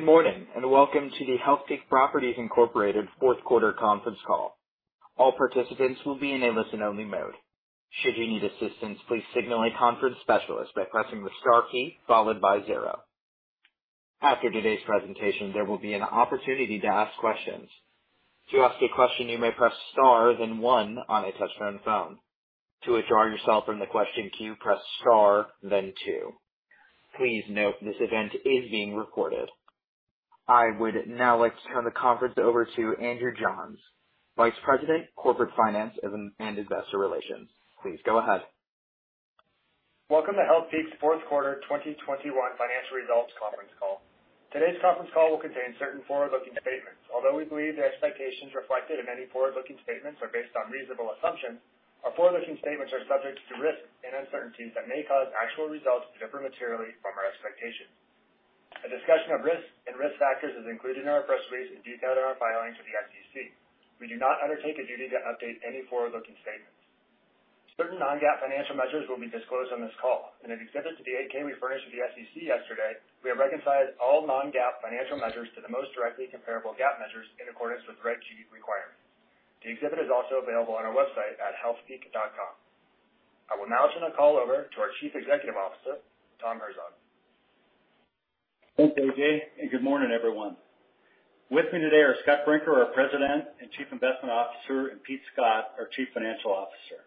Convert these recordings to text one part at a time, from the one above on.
Good morning, and welcome to the Healthpeak Properties, Inc. fourth quarter conference call. All participants will be in a listen-only mode. Should you need assistance, please signal a conference specialist by pressing the star key followed by zero. After today's presentation, there will be an opportunity to ask questions. To ask a question, you may press star then one on a touch-tone phone. To withdraw yourself from the question queue, press star then two. Please note this event is being recorded. I would now like to turn the conference over to Andrew Johns, Vice President, Corporate Finance, and Investor Relations. Please go ahead. Welcome to Healthpeak's fourth quarter 2021 financial results conference call. Today's conference call will contain certain forward-looking statements. Although we believe the expectations reflected in any forward-looking statements are based on reasonable assumptions, our forward-looking statements are subject to risks and uncertainties that may cause actual results to differ materially from our expectations. A discussion of risks and risk factors is included in our press release and detailed in our filings with the SEC. We do not undertake a duty to update any forward-looking statements. Certain non-GAAP financial measures will be disclosed on this call. In an exhibit to the 8-K we furnished with the SEC yesterday, we have reconciled all non-GAAP financial measures to the most directly comparable GAAP measures in accordance with Regulation G requirements. The exhibit is also available on our website at healthpeak.com. I will now turn the call over to our Chief Executive Officer, Tom Herzog. Thanks, AJ, and good morning, everyone. With me today are Scott Brinker, our President and Chief Investment Officer, and Pete Scott, our Chief Financial Officer.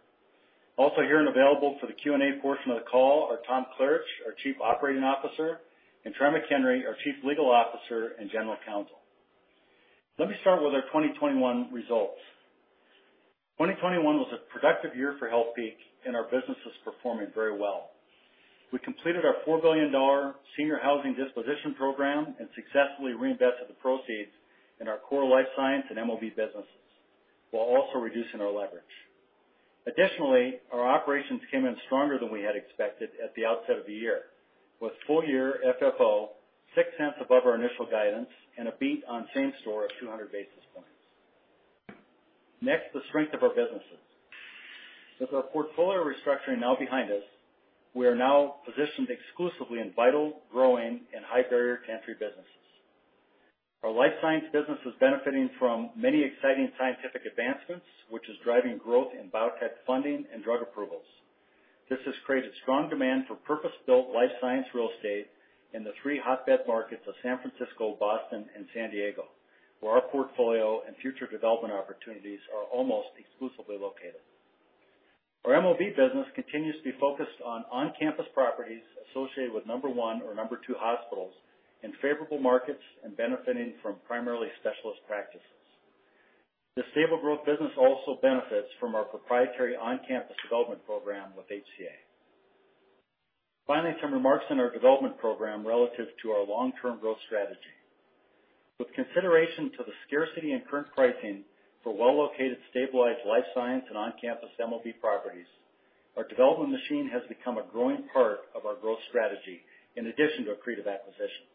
Also here and available for the Q&A portion of the call are Tom Klaritch, our Chief Operating Officer, and Troy McHenry, our Chief Legal Officer and General Counsel. Let me start with our 2021 results. 2021 was a productive year for Healthpeak, and our business was performing very well. We completed our $4 billion senior housing disposition program and successfully reinvested the proceeds in our core life science and MOB businesses, while also reducing our leverage. Additionally, our operations came in stronger than we had expected at the outset of the year, with full-year FFO $0.06 above our initial guidance and a beat on same-store of 200 basis points. Next, the strength of our businesses. With our portfolio restructuring now behind us, we are now positioned exclusively in vital, growing, and high-barrier-to-entry businesses. Our life science business is benefiting from many exciting scientific advancements, which is driving growth in biotech funding and drug approvals. This has created strong demand for purpose-built life science real estate in the three hotbed markets of San Francisco, Boston, and San Diego, where our portfolio and future development opportunities are almost exclusively located. Our MOB business continues to be focused on on-campus properties associated with Number one or Number two hospitals in favorable markets and benefiting from primarily specialist practices. This stable growth business also benefits from our proprietary on-campus development program with HCA. Finally, some remarks on our development program relative to our long-term growth strategy. With consideration to the scarcity and current pricing for well-located, stabilized life science and on-campus MOB properties, our development machine has become a growing part of our growth strategy, in addition to accretive acquisitions.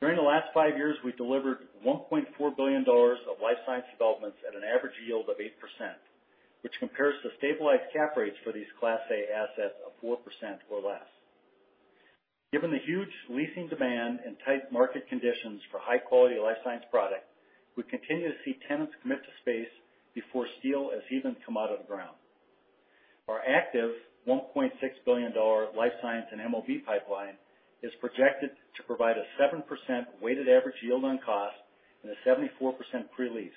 During the last five years, we delivered $1.4 billion of life science developments at an average yield of 8%, which compares to stabilized cap rates for these Class A assets of 4% or less. Given the huge leasing demand and tight market conditions for high-quality life science product, we continue to see tenants commit to space before steel has even come out of the ground. Our active $1.6 billion life science and MOB pipeline is projected to provide a 7% weighed average yield on cost and a 74% pre-leased,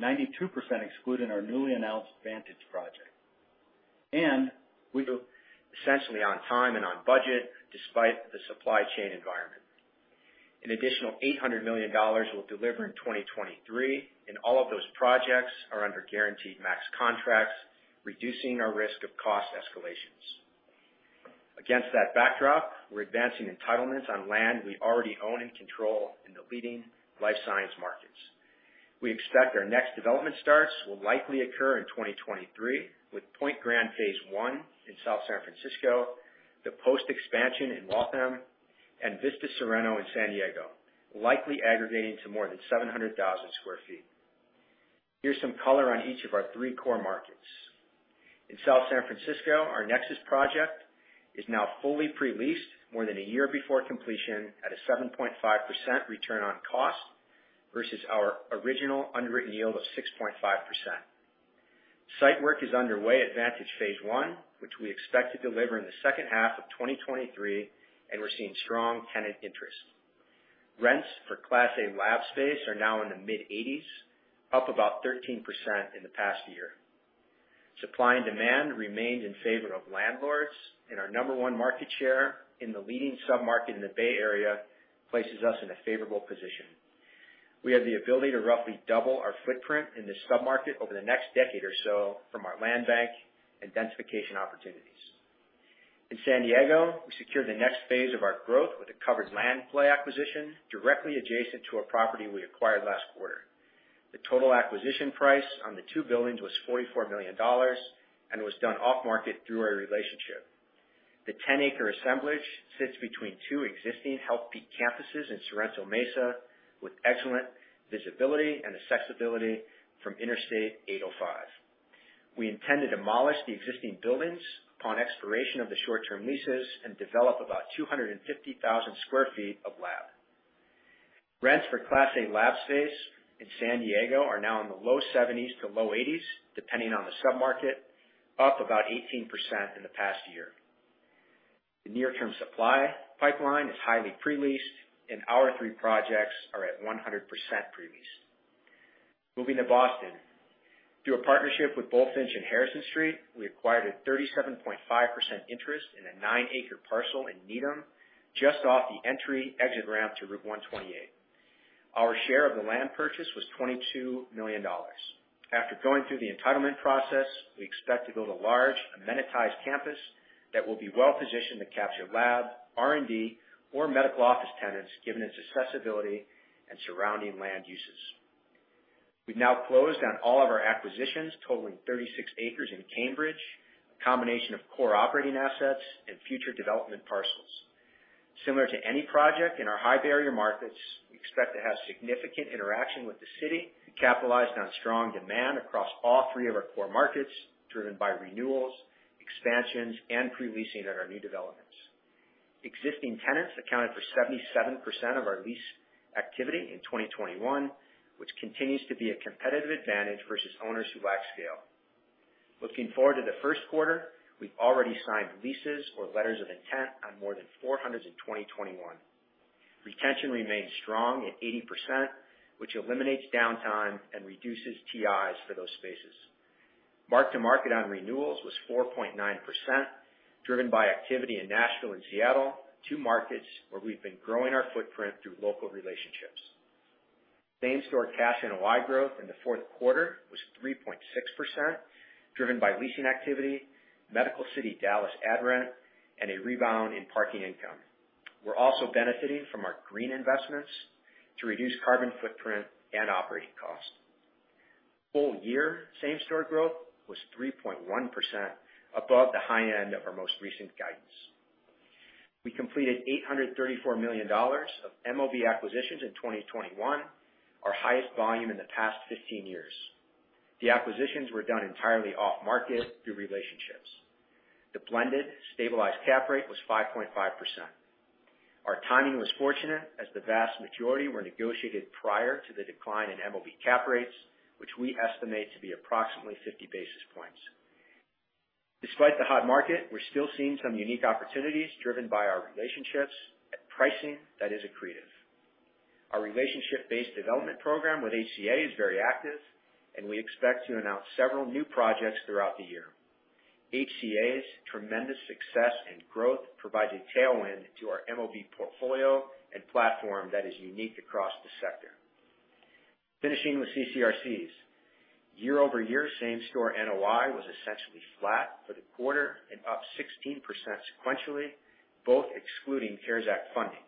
92% excluding our newly announced Vantage project. We do essentially on time and on budget, despite the supply chain environment. An additional $800 million will deliver in 2023, and all of those projects are under guaranteed max contracts, reducing our risk of cost escalations. Against that backdrop, we're advancing entitlements on land we already own and control in the leading life science markets. We expect our next development starts will likely occur in 2023 with Pointe Grand Phase one in South San Francisco, The Post Expansion in Waltham, and Vista Sorrento in San Diego, likely aggregating to more than 700,000 sq ft. Here's some color on each of our three core markets. In South San Francisco, our Nexus project is now fully pre-leased more than a year before completion at a 7.5 return on cost versus our original underwritten yield of 6.5%. Site work is underway at Vantage Phase one, which we expect to deliver in the second half of 2023, and we're seeing strong tenant interest. Rents for Class A lab space are now in the mid-$80s, up about 13% in the past year. Supply and demand remained in favor of landlords, and our No. 1 market share in the leading sub-market in the Bay Area places us in a favorable position. We have the ability to roughly double our footprint in this sub-market over the next decade or so from our land bank intensification opportunities. In San Diego, we secured the next phase of our growth with a covered land play acquisition directly adjacent to a property we acquired last quarter. The total acquisition price on the two buildings was $44 million and was done off-market through our relationship. The 10-acre assemblage sits between two existing Healthpeak campuses in Sorrento Mesa with excellent visibility and accessibility from Interstate 805. We intend to demolish the existing buildings upon expiration of the short-term leases and develop about 250,000 sq ft of lab. Rents for Class A lab space in San Diego are now in the low 70s-low 80s, depending on the sub-market, up about 18% in the past year. The near-term supply pipeline is highly pre-leased, and our three projects are at 100% pre-leased. Moving to Boston. Through a partnership with Bulfinch and Harrison Street, we acquired a 37.5% interest in a nine acre parcel in Needham, just off the entry/exit ramp to Route 128. Our share of the land purchase was $22 million. After going through the entitlement process, we expect to build a large amenitized campus that will be well-positioned to capture lab, R&D, or medical office tenants given its accessibility and surrounding land uses. We've now closed on all of our acquisitions, totaling 36 acres in Cambridge, a combination of core operating assets and future development parcels. Similar to any project in our high-barrier markets, we expect to have significant interaction with the city and capitalize on strong demand across all three of our core markets, driven by renewals, expansions, and pre-leasing at our new developments. Existing tenants accounted for 77% of our lease activity in 2021, which continues to be a competitive advantage versus owners who lack scale. Looking forward to the first quarter, we've already signed leases or letters of intent on more than 400 in 2021. Retention remains strong at 80%, which eliminates downtime and reduces TIs for those spaces. Mark-to-market on renewals was 4.9%, driven by activity in Nashville and Seattle, two markets where we've been growing our footprint through local relationships. Same-store cash NOI growth in the fourth quarter was 3.6%, driven by leasing activity, Medical City Dallas add rent, and a rebound in parking income. We're also benefiting from our green investments to reduce carbon footprint and operating costs. Full-year same-store growth was 3.1%, above the high end of our most recent guidance. We completed $834 million of MOB acquisitions in 2021, our highest volume in the past 15 years. The acquisitions were done entirely off-market through relationships. The blended stabilized cap rate was 5.5%. Our timing was fortunate, as the vast majority were negotiated prior to the decline in MOB cap rates, which we estimate to be approximately 50 basis points. Despite the hot market, we're still seeing some unique opportunities driven by our relationships at pricing that is accretive. Our relationship-based development program with HCA is very active, and we expect to announce several new projects throughout the year. HCA's tremendous success and growth provides a tailwind to our MOB portfolio and platform that is unique across the sector. Finishing with CCRCs. Year-over-year same store NOI was essentially flat for the quarter and up 16% sequentially, both excluding CARES Act funding,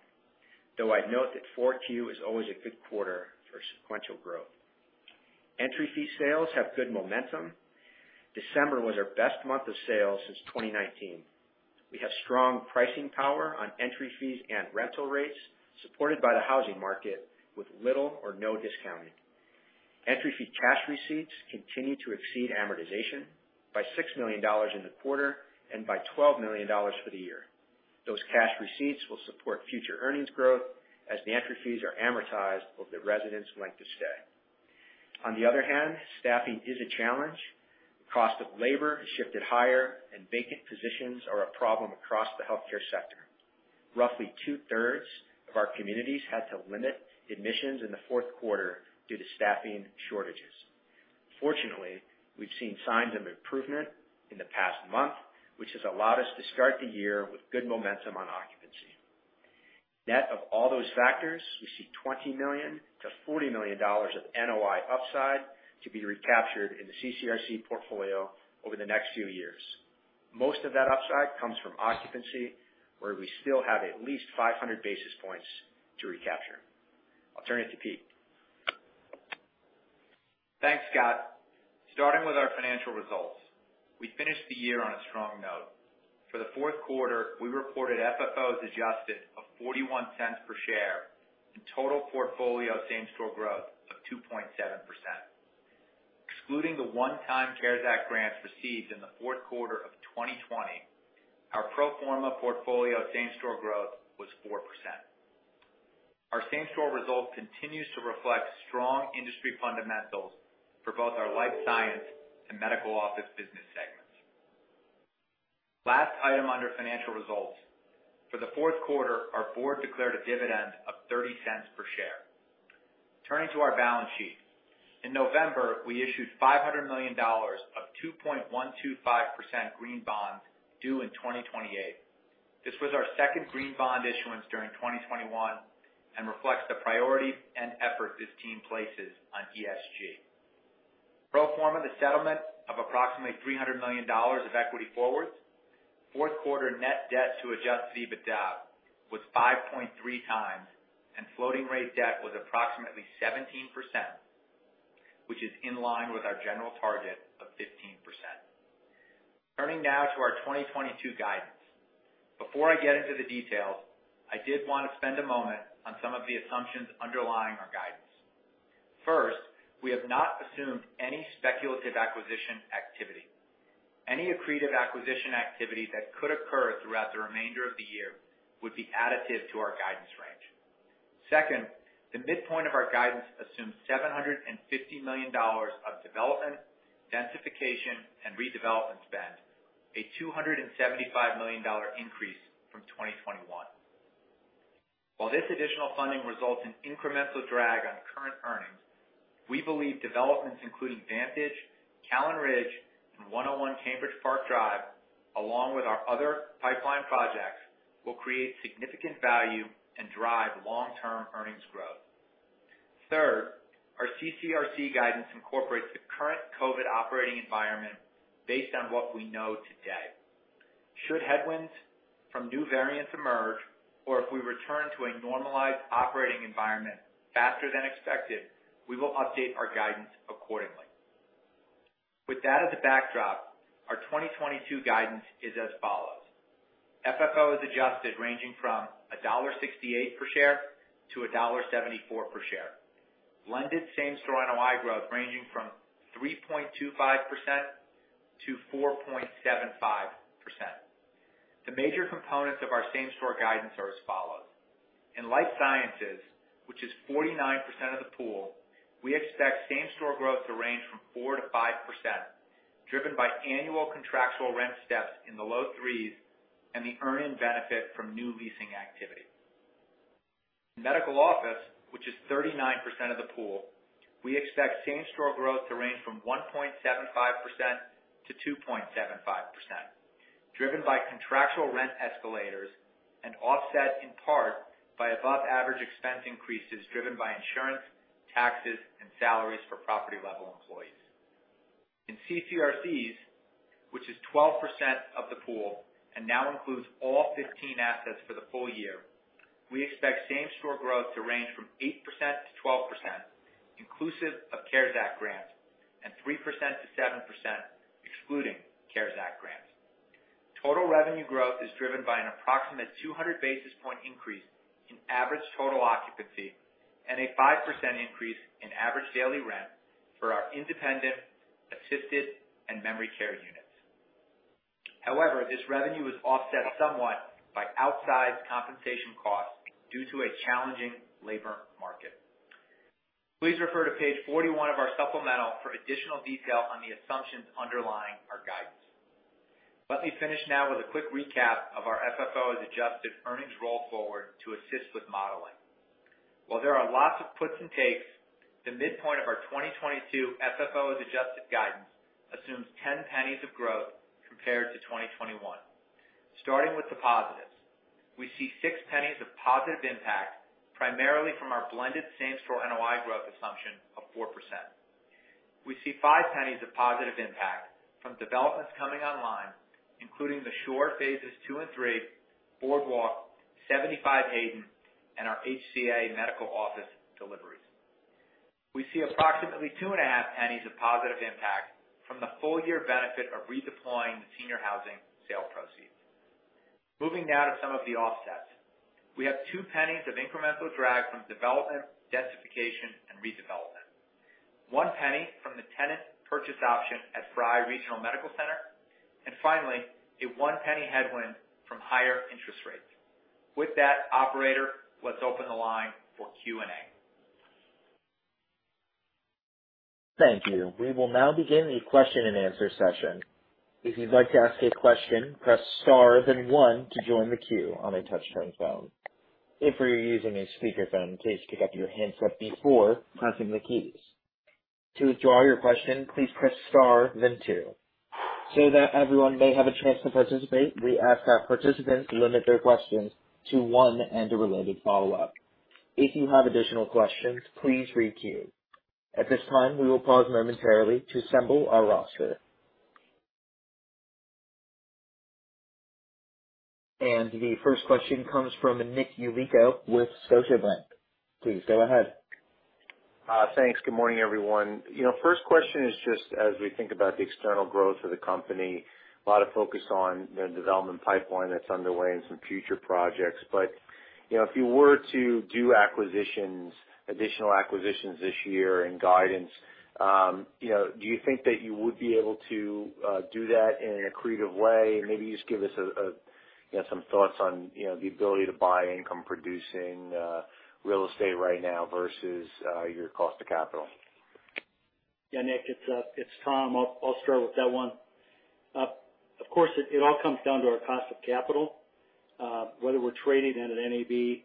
though I'd note that Q4 is always a good quarter for sequential growth. Entry fee sales have good momentum. December was our best month of sales since 2019. We have strong pricing power on entry fees and rental rates, supported by the housing market with little or no discounting. Entry fee cash receipts continue to exceed amortization by $6 million in the quarter and by $12 million for the year. Those cash receipts will support future earnings growth as the entry fees are amortized over the residents' length of stay. On the other hand, staffing is a challenge. Cost of labor has shifted higher, and vacant positions are a problem across the healthcare sector. Roughly two-thirds of our communities had to limit admissions in the fourth quarter due to staffing shortages. Fortunately, we've seen signs of improvement in the past month, which has allowed us to start the year with good momentum on occupancy. Net of all those factors, we see $20 million-$40 million of NOI upside to be recaptured in the CCRC portfolio over the next few years. Most of that upside comes from occupancy, where we still have at least 500 basis points to recapture. I'll turn it to Pete. Thanks, Scott. Starting with our financial results. We finished the year on a strong note. For the fourth quarter, we reported FFOs adjusted of $0.41 per share and total portfolio same-store growth of 2.7%. Excluding the one-time CARES Act grants received in the fourth quarter of 2020, our pro forma portfolio same-store growth was 4%. Our same-store results continues to reflect strong industry fundamentals for both our life science and medical office business segments. Last item under financial results. For the fourth quarter, our board declared a dividend of $0.30 per share. Turning to our balance sheet. In November, we issued $500 million of 2.125% green bond due in 2028. This was our second green bond issuance during 2021 and reflects the priority and effort this team places on ESG. Pro forma, the settlement of approximately $300 million of equity forwards. Fourth quarter net debt to adjusted EBITDA was 5.3x, and floating rate debt was approximately 17%, which is in line with our general target of 15%. Turning now to our 2022 guidance. Before I get into the details, I did wanna spend a moment on some of the assumptions underlying our guidance. First, we have not assumed any speculative acquisition activity. Any accretive acquisition activity that could occur throughout the remainder of the year would be additive to our guidance range. Second, the midpoint of our guidance assumes $750 million of development, densification, and redevelopment spend, a $275 million increase from 2021. While this additional funding results in incremental drag on current earnings, we believe developments including Vantage, Callan Ridge, and 101 Cambridge Park Drive, along with our other pipeline projects, will create significant value and drive long-term earnings growth. Third, our CCRC guidance incorporates the current COVID operating environment based on what we know today. Should headwinds from new variants emerge, or if we return to a normalized operating environment faster than expected, we will update our guidance accordingly. With that as a backdrop, our 2022 guidance is as follows. FFO as adjusted ranging from $1.68 per share to $1.74 per share. Blended same-store NOI growth ranging from 3.25% to 4.75%. The major components of our same-store guidance are as follows. In life sciences, which is 49% of the pool, we expect same store growth to range from 4%-5%, driven by annual contractual rent steps in the low 3s and the earn-in benefit from new leasing activity. In medical office, which is 39% of the pool, we expect same store growth to range from 1.75%-2.75%, driven by contractual rent escalators and offset in part by above average expense increases driven by insurance, taxes, and salaries for property level employees. In CCRCs, which is 12% of the pool and now includes all 15 assets for the full year, we expect same store growth to range from 8%-12% inclusive of CARES Act grants and 3%-7% excluding CARES Act grants. Total revenue growth is driven by an approximate 200 basis point increase in average total occupancy and a 5% increase in average daily rent for our independent, assisted, and memory care units. However, this revenue is offset somewhat by outsized compensation costs due to a challenging labor market. Please refer to page 41 of our supplemental for additional detail on the assumptions underlying our guidance. Let me finish now with a quick recap of our FFO as adjusted earnings roll forward to assist with modeling. While there are lots of puts and takes, the midpoint of our 2022 FFO as adjusted guidance assumes 10 pennies of growth compared to 2021. Starting with the positives. We see six pennies of positive impact, primarily from our blended same-store NOI growth assumption of 4%. We see five pennies of positive impact from developments coming online, including The Shore phases II and III, The Boardwalk, 75 Hayden, and our HCA medical office deliveries. We see approximately 2.5 pennies of positive impact from the full year benefit of redeploying the senior housing sale proceeds. Moving now to some of the offsets. We have 2 pennies of incremental drag from development, densification, and redevelopment, 1 penny from the tenant purchase option at Frye Regional Medical Center, and finally, a one penny headwind from higher interest rates. With that, operator, let's open the line for Q&A. Thank you. We will now begin the question-and-answer session. If you'd like to ask a question, press star then one to join the queue on a touch-tone phone. If you're using a speakerphone, please pick up your handset before pressing the keys. To withdraw your question, please press star then two. So that everyone may have a chance to participate, we ask our participants to limit their questions to one and a related follow-up. If you have additional questions, please re-queue. At this time, we will pause momentarily to assemble our roster. The first question comes from Nick Yulico with Scotiabank. Please go ahead. Thanks. Good morning, everyone. You know, first question is just as we think about the external growth of the company, a lot of focus on the development pipeline that's underway and some future projects. You know, if you were to do acquisitions, additional acquisitions this year in guidance, you know, do you think that you would be able to do that in an accretive way? Maybe just give us a you know, some thoughts on, you know, the ability to buy income producing real estate right now versus your cost of capital. Yeah, Nick, it's Tom. I'll start with that one. Of course, it all comes down to our cost of capital, whether we're trading at an NAV,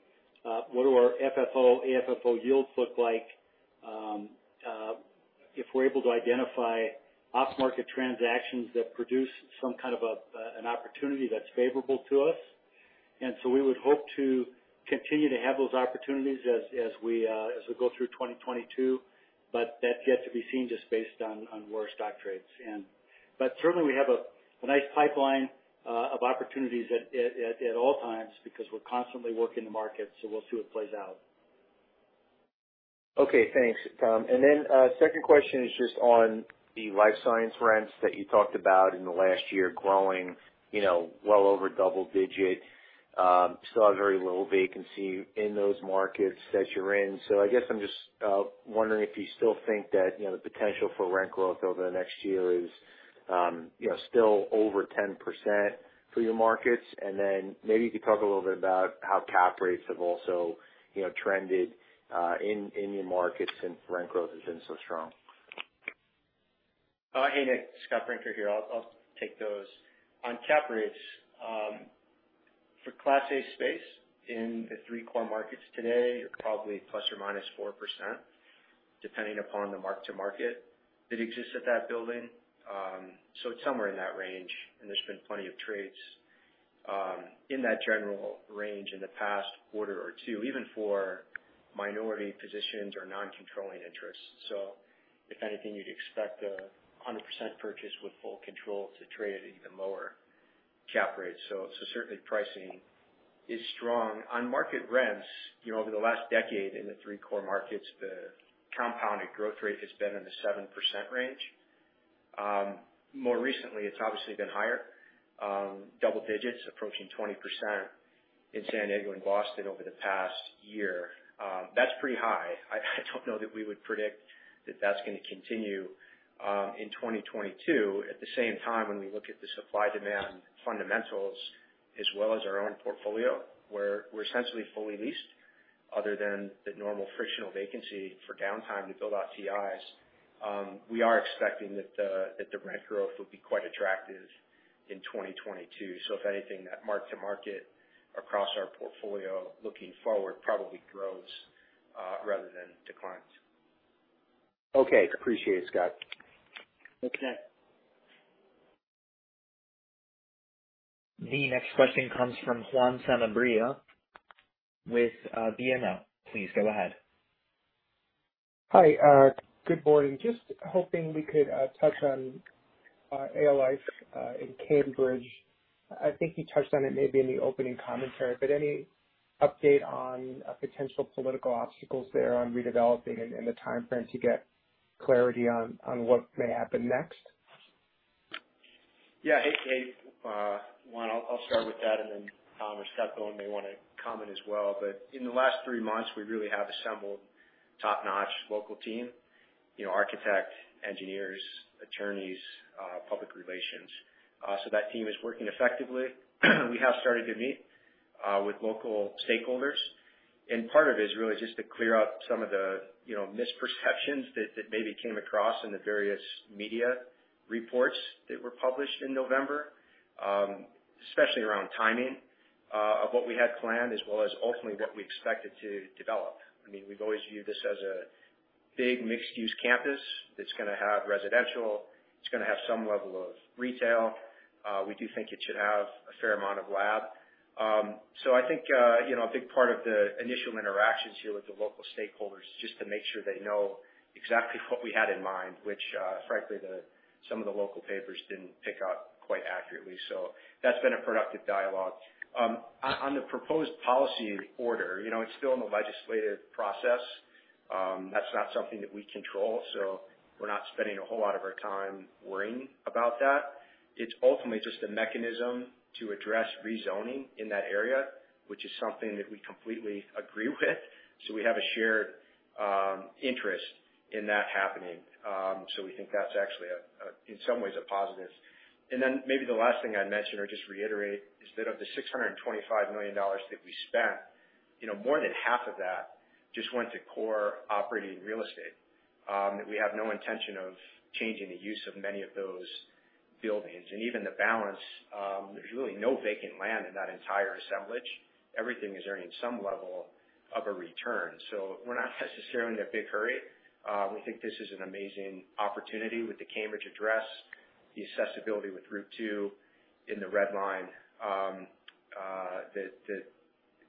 what do our FFO, AFFO yields look like, if we're able to identify off-market transactions that produce some kind of an opportunity that's favorable to us. We would hope to continue to have those opportunities as we go through 2022. That's yet to be seen just based on where our stock trades. But certainly we have a nice pipeline of opportunities at all times because we're constantly working the market, so we'll see what plays out. Okay, thanks, Tom. Second question is just on the life science rents that you talked about in the last year growing, you know, well over double digit. Saw very little vacancy in those markets that you're in. I guess I'm just wondering if you still think that, you know, the potential for rent growth over the next year is, you know, still over 10% for your markets. Maybe you could talk a little bit about how cap rates have also, you know, trended in your markets since rent growth has been so strong. Hey Nick, Scott Brinker here. I'll take those. On cap rates, for class A space in the three core markets today, you're probably ±4% depending upon the mark-to-market that exists at that building. It's somewhere in that range, and there's been plenty of trades, in that general range in the past quarter or two, even for minority positions or non-controlling interests. If anything, you'd expect a 100% purchase with full control to trade at even lower cap rates. It's certainly pricing is strong. On market rents, you know, over the last decade in the three core markets, the compounded growth rate has been in the 7% range. More recently it's obviously been higher, double digits approaching 20% in San Diego and Boston over the past year. That's pretty high. I don't know that we would predict that that's gonna continue in 2022. At the same time, when we look at the supply-demand fundamentals as well as our own portfolio, where we're essentially fully leased other than the normal frictional vacancy for downtime to build out TIs, we are expecting that the rent growth will be quite attractive in 2022. If anything, that mark-to-market across our portfolio looking forward probably grows rather than declines. Okay. Appreciate it, Scott. Thanks, Nick. The next question comes from Juan Sanabria with BMO. Please go ahead. Hi. Good morning. Just hoping we could touch on Alewife in Cambridge. I think you touched on it maybe in the opening commentary, but any update on potential political obstacles there on redeveloping and the timeframe to get clarity on what may happen next? Hey, Juan, I'll start with that, and then Tom or Scott Bohn may wanna comment as well, but in the last three months, we really have assembled top-notch local team, architect, engineers, attorneys, public relations. So that team is working effectively. We have started to meet with local stakeholders, and part of it is really just to clear up some of the misperceptions that maybe came across in the various media reports that were published in November, especially around timing of what we had planned, as well as ultimately what we expected to develop. We've always viewed this as a big mixed-use campus that's gonna have residential. It's gonna have some level of retail. We do think it should have a fair amount of lab. I think, you know, a big part of the initial interactions here with the local stakeholders is just to make sure they know exactly what we had in mind, which, frankly, some of the local papers didn't pick up quite accurately. That's been a productive dialogue. On the proposed policy order, you know, it's still in the legislative process. That's not something that we control, so we're not spending a whole lot of our time worrying about that. It's ultimately just a mechanism to address rezoning in that area, which is something that we completely agree with. We have a shared interest in that happening. We think that's actually in some ways a positive. Then maybe the last thing I'd mention or just reiterate is that of the $625 million that we spent, you know, more than half of that just went to core operating real estate. We have no intention of changing the use of many of those buildings. Even the balance, there's really no vacant land in that entire assemblage. Everything is earning some level of a return. We're not necessarily in a big hurry. We think this is an amazing opportunity with the Cambridge address, the accessibility with Route 2 and the Red Line,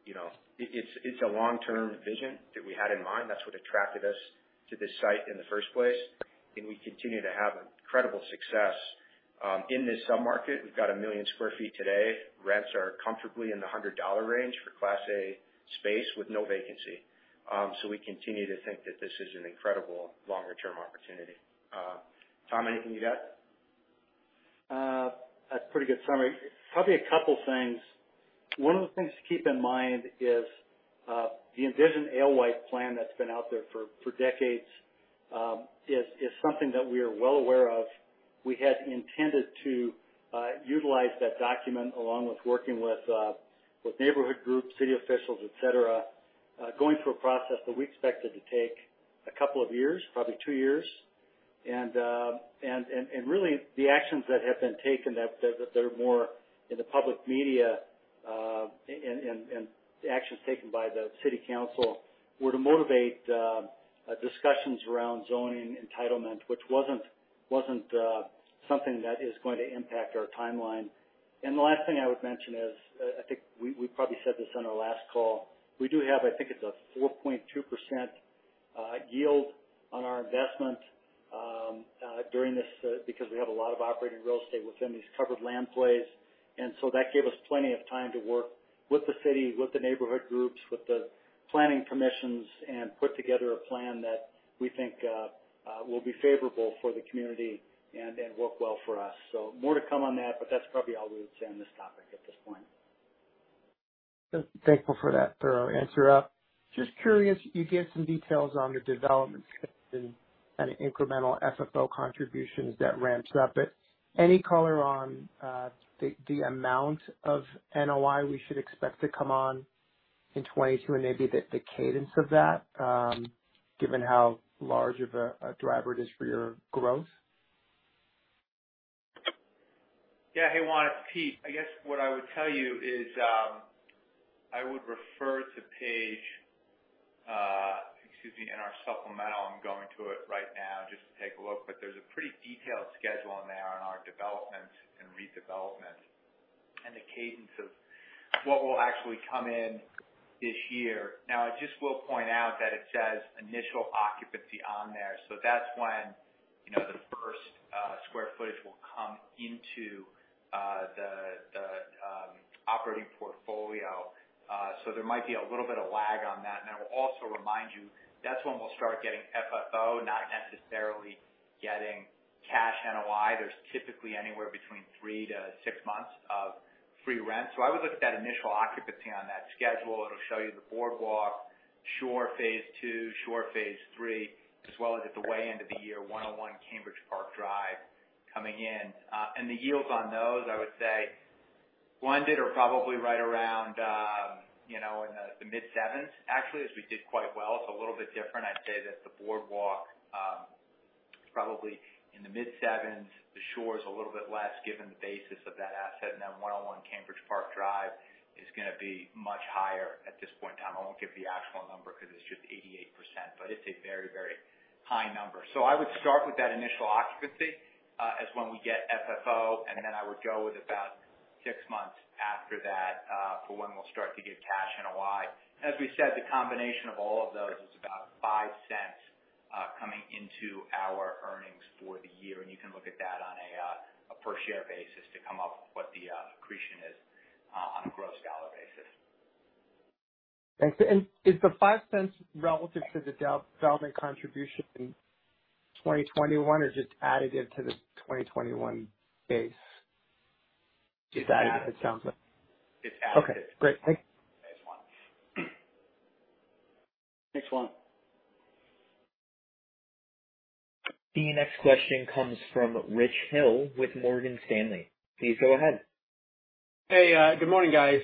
you know, it's a long-term vision that we had in mind. That's what attracted us to this site in the first place, and we continue to have incredible success in this sub-market. We've got 1 million sq ft today. Rents are comfortably in the $100 range for class A space with no vacancy. We continue to think that this is an incredible longer-term opportunity. Tom, anything to add? That's a pretty good summary. Probably a couple things. One of the things to keep in mind is the envisioned Alewife plan that's been out there for decades is something that we are well aware of. We had intended to utilize that document along with working with neighborhood groups, city officials, et cetera, going through a process that we expected to take a couple of years, probably two years. Really the actions that have been taken that they're more in the public media and the actions taken by the city council were to motivate discussions around zoning entitlement, which wasn't something that is going to impact our timeline. The last thing I would mention is, I think we probably said this on our last call. We do have I think it's a 4.2% yield on our investment During this, because we have a lot of operating real estate within these covered land plays, that gave us plenty of time to work with the city, with the neighborhood groups, with the planning commissions, and put together a plan that we think will be favorable for the community and work well for us. More to come on that, but that's probably all we would say on this topic at this point. Thankful for that thorough answer. Just curious, you gave some details on the development spend and incremental FFO contributions that ramps up. Any color on the amount of NOI we should expect to come on in 2022, and maybe the cadence of that, given how large of a driver it is for your growth? Yeah. Hey, Juan, it's Pete. I guess what I would tell you is, I would refer to page, excuse me, in our supplemental. I'm going to it right now just to take a look. There's a pretty detailed schedule on there on our developments and redevelopments and the cadence of what will actually come in this year. Now, I just will point out that it says initial occupancy on there. That's when, you know, the first square footage will come into the operating portfolio. There might be a little bit of lag on that. I will also remind you that's when we'll start getting FFO, not necessarily getting cash NOI. There's typically anywhere between three to six months of free rent. I would look at that initial occupancy on that schedule. It'll show you The Boardwalk, Shore Phase Two, Shore Phase Three, as well as towards the end of the year, 101 Cambridge Park Drive coming in. The yields on those, I would say blended are probably right around, you know, in the mid-7s actually, as we did quite well. It's a little bit different. I'd say that The Boardwalk probably in the mid-7s, the Shore is a little bit less given the basis of that asset. 101 Cambridge Park Drive is gonna be much higher at this point in time. I won't give the actual number because it's just 88%, but it's a very, very high number. I would start with that initial occupancy as when we get FFO, and then I would go with about six months after that for when we'll start to get cash NOI. As we said, the combination of all of those is about $0.05 coming into our earnings for the year. You can look at that on a per share basis to come up with what the accretion is on a gross dollar basis. Thanks. Is the five cents relative to the development contribution in 2021 or is it additive to the 2021 base? It's additive. It sounds like. It's additive. Okay, great. Thank you. Thanks, Juan. Thanks, Juan. The next question comes from Rich Hill with Morgan Stanley. Please go ahead. Hey, good morning, guys.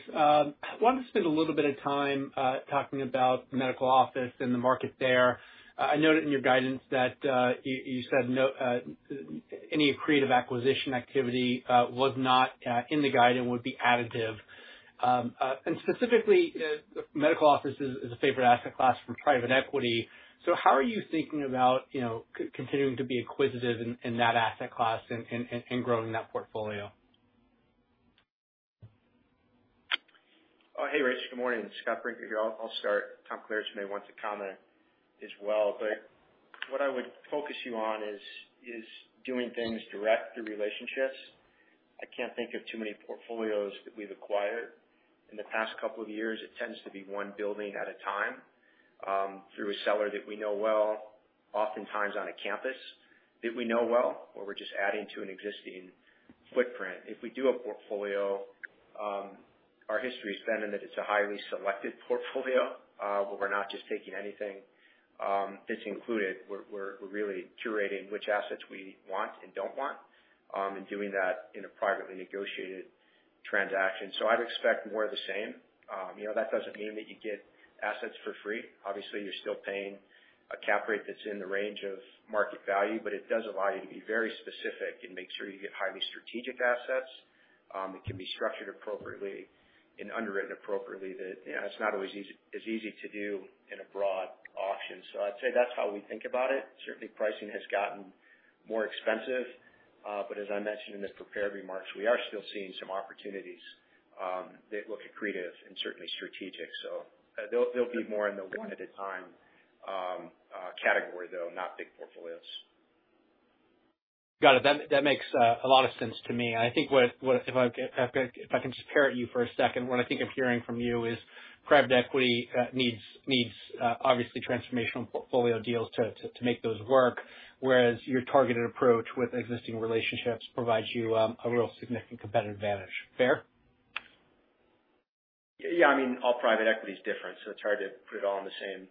Wanted to spend a little bit of time talking about medical office and the market there. I noted in your guidance that you said no any accretive acquisition activity was not in the guide and would be additive. Specifically, medical office is a favorite asset class for private equity. How are you thinking about, you know, continuing to be acquisitive in that asset class and growing that portfolio? Hey, Rich. Good morning. Scott Brinker here. I'll start. Tom Klaritch may want to comment as well. What I would focus you on is doing things direct through relationships. I can't think of too many portfolios that we've acquired in the past couple of years. It tends to be one building at a time, through a seller that we know well, oftentimes on a campus that we know well, where we're just adding to an existing footprint. If we do a portfolio, our history has been in that it's a highly selected portfolio, where we're not just taking anything that's included. We're really curating which assets we want and don't want, and doing that in a privately negotiated transaction. So I'd expect more of the same. You know, that doesn't mean that you get assets for free. Obviously, you're still paying a cap rate that's in the range of market value, but it does allow you to be very specific and make sure you get highly strategic assets. It can be structured appropriately and underwritten appropriately that, you know, it's not always easy to do in a broad auction. I'd say that's how we think about it. Certainly, pricing has gotten more expensive. As I mentioned in the prepared remarks, we are still seeing some opportunities that look accretive and certainly strategic. They'll be more in the one at a time category though, not big portfolios. Got it. That makes a lot of sense to me. I think if I can just parrot you for a second, what I think I'm hearing from you is private equity needs obviously transformational portfolio deals to make those work, whereas your targeted approach with existing relationships provides you really significant competitive advantage. Fair? Yeah, I mean, all private equity is different, so it's hard to put it all in the same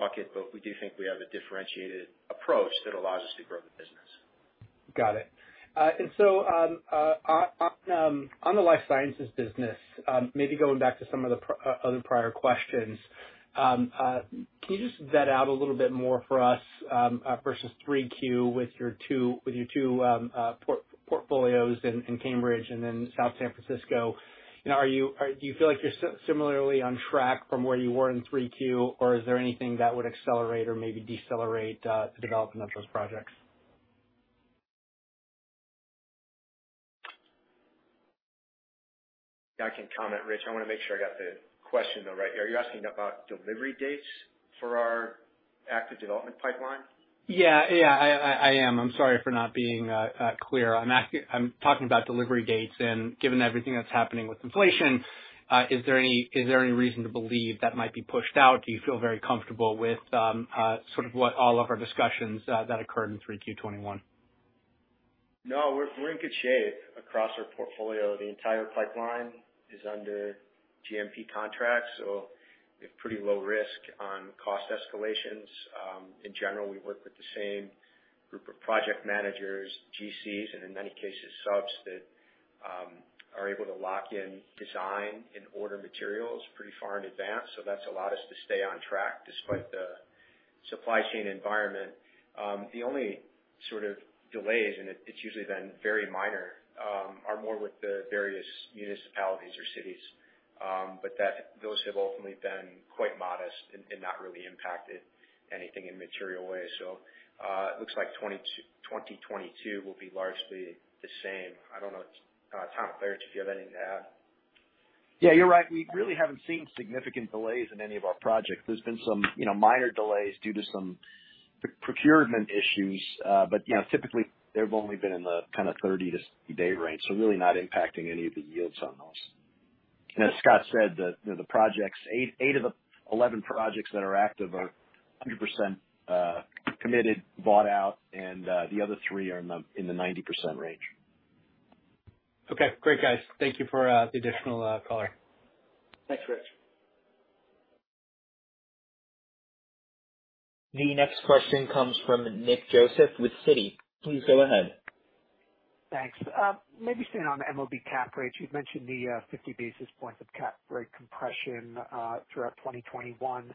bucket. We do think we have a differentiated approach that allows us to grow the business. Got it. On the life sciences business, maybe going back to some of the other prior questions, can you just flesh out a little bit more for us versus 3Q with your 2 portfolios in Cambridge and then South San Francisco? Do you feel like you're similarly on track from where you were in 3Q, or is there anything that would accelerate or maybe decelerate the development of those projects? Yeah, I can comment, Rich. I wanna make sure I got the question though right here. Are you asking about delivery dates for our active development pipeline? Yeah, I am. I'm sorry for not being clear. I'm talking about delivery dates, and given everything that's happening with inflation, is there any reason to believe that might be pushed out? Do you feel very comfortable with sort of what all of our discussions that occurred in 3Q 2021? No, we're in good shape across our portfolio. The entire pipeline is under GMP contracts, so we have pretty low risk on cost escalations. In general, we work with the same group of project managers, GCs, and in many cases, subs that are able to lock in design and order materials pretty far in advance. That's allowed us to stay on track despite the supply chain environment. The only sort of delays, and it's usually been very minor, are more with the various municipalities or cities. But those have ultimately been quite modest and not really impacted anything in a material way. It looks like 2022 will be largely the same. I don't know, Tom Klaritch, if you have anything to add. Yeah, you're right. We really haven't seen significant delays in any of our projects. There's been some, you know, minor delays due to some procurement issues. But you know, typically, they've only been in the kinda 30-60-day range, so really not impacting any of the yields on those. As Scott said, the projects, eight of the 11 projects that are active are 100% committed, bought out, and the other three are in the 90% range. Okay. Great, guys. Thank you for the additional color. Thanks, Rich. The next question comes from Nick Joseph with Citi. Please go ahead. Thanks. Maybe staying on the MOB cap rates. You'd mentioned the 50 basis points of cap rate compression throughout 2021.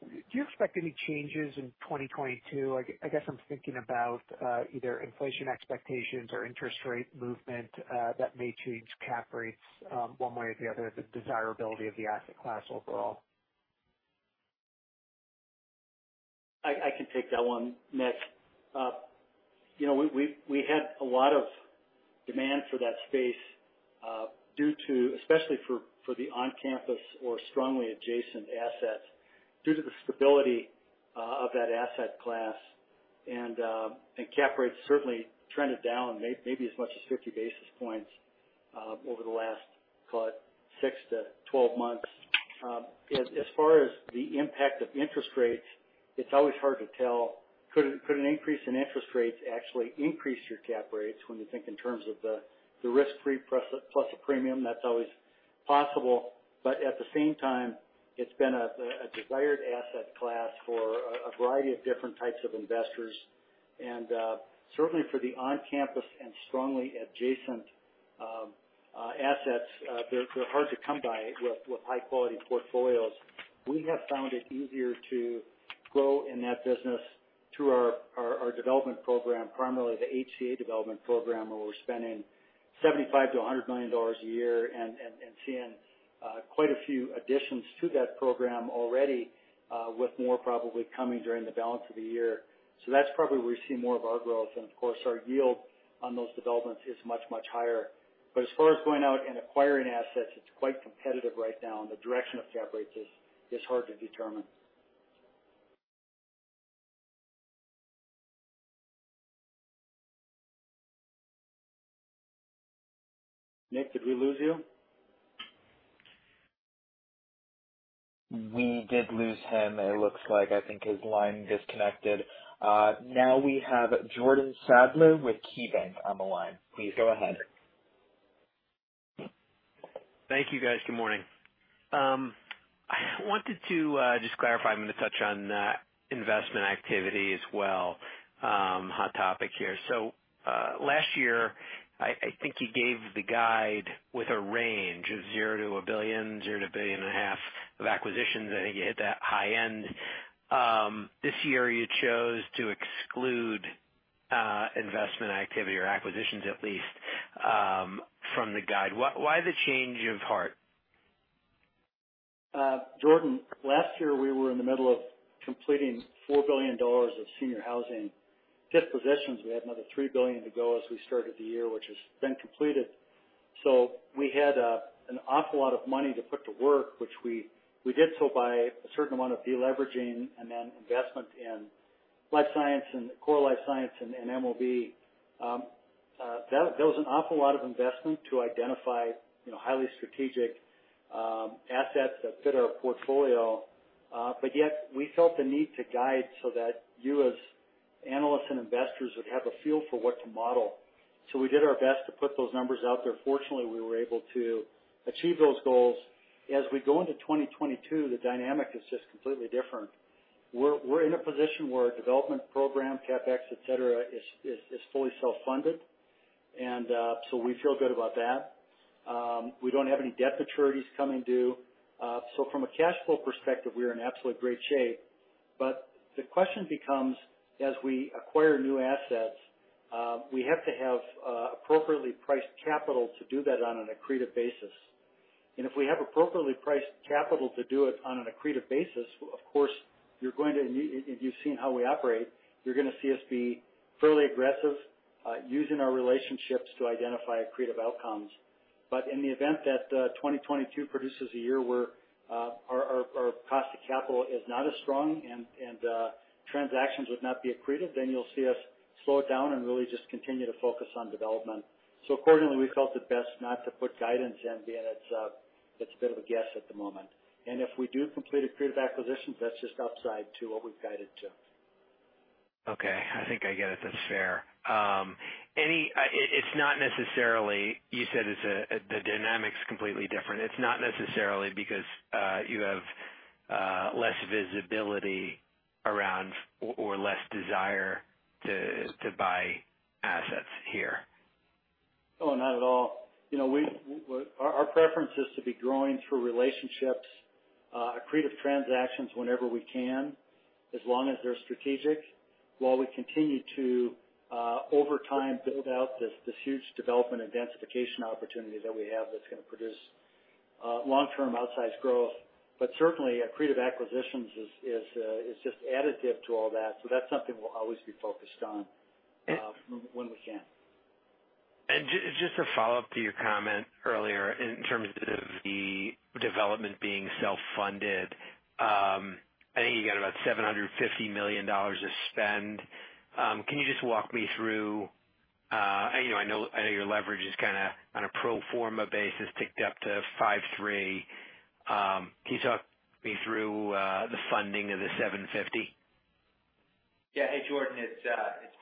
Do you expect any changes in 2022? I guess I'm thinking about either inflation expectations or interest rate movement that may change cap rates one way or the other, the desirability of the asset class overall. I can take that one, Nick. You know, we had a lot of demand for that space due to especially for the on-campus or strongly adjacent assets, due to the stability of that asset class. Cap rates certainly trended down maybe as much as 50 basis points over the last, call it, six to 12 months. As far as the impact of interest rates, it's always hard to tell. Could an increase in interest rates actually increase your cap rates when you think in terms of the risk-free plus a premium? That's always possible. At the same time, it's been a desired asset class for a variety of different types of investors. Certainly for the on-campus and strongly adjacent assets, they're hard to come by with high-quality portfolios. We have found it easier to grow in that business through our development program, primarily the HCA development program, where we're spending $75-$100 million a year and seeing quite a few additions to that program already, with more probably coming during the balance of the year. That's probably where we see more of our growth. Of course, our yield on those developments is much higher. As far as going out and acquiring assets, it's quite competitive right now, and the direction of cap rates is hard to determine. Nick, did we lose you? We did lose him, it looks like. I think his line disconnected. Now we have Jordan Sadler with KeyBanc on the line. Please go ahead. Thank you, guys. Good morning. I wanted to just clarify. I'm gonna touch on investment activity as well, hot topic here. Last year I think you gave the guide with a range of $0-$1 billion, $0-$1.5 billion of acquisitions. I think you hit that high end. This year you chose to exclude investment activity or acquisitions at least from the guide. Why the change of heart? Jordan, last year we were in the middle of completing $4 billion of senior housing dispositions. We had another $3 billion to go as we started the year, which has been completed. We had an awful lot of money to put to work, which we did so by a certain amount of deleveraging and then investment in life science and core life science and MOB. That was an awful lot of investment to identify, you know, highly strategic assets that fit our portfolio. Yet we felt the need to guide so that you as analysts and investors would have a feel for what to model. We did our best to put those numbers out there. Fortunately, we were able to achieve those goals. As we go into 2022, the dynamic is just completely different. We're in a position where our development program, CapEx, et cetera, is fully self-funded, and we feel good about that. We don't have any debt maturities coming due. From a cash flow perspective, we are in absolutely great shape. The question becomes, as we acquire new assets, we have to have appropriately priced capital to do that on an accretive basis. If we have appropriately priced capital to do it on an accretive basis, of course you're going to, you've seen how we operate. You're gonna see us be fairly aggressive, using our relationships to identify accretive outcomes. In the event that 2022 produces a year where our cost of capital is not as strong and transactions would not be accretive, then you'll see us slow it down and really just continue to focus on development. Accordingly, we felt it best not to put guidance in being that it's a bit of a guess at the moment. If we do complete accretive acquisitions, that's just upside to what we've guided to. Okay. I think I get it. That's fair. It's not necessarily. You said it's the dynamics completely different. It's not necessarily because you have less visibility around or less desire to buy assets here. Oh, not at all. You know, our preference is to be growing through relationships, accretive transactions whenever we can, as long as they're strategic, while we continue to over time build out this huge development and densification opportunity that we have that's gonna produce long-term outsized growth. Certainly accretive acquisitions is just additive to all that. That's something we'll always be focused on when we can. Just a follow-up to your comment earlier in terms of the development being self-funded. I think you got about $750 million of spend. Can you just walk me through, you know, I know your leverage is kinda on a pro forma basis, ticked up to 5.3. Can you talk me through the funding of the 750? Yeah. Hey, Jordan, it's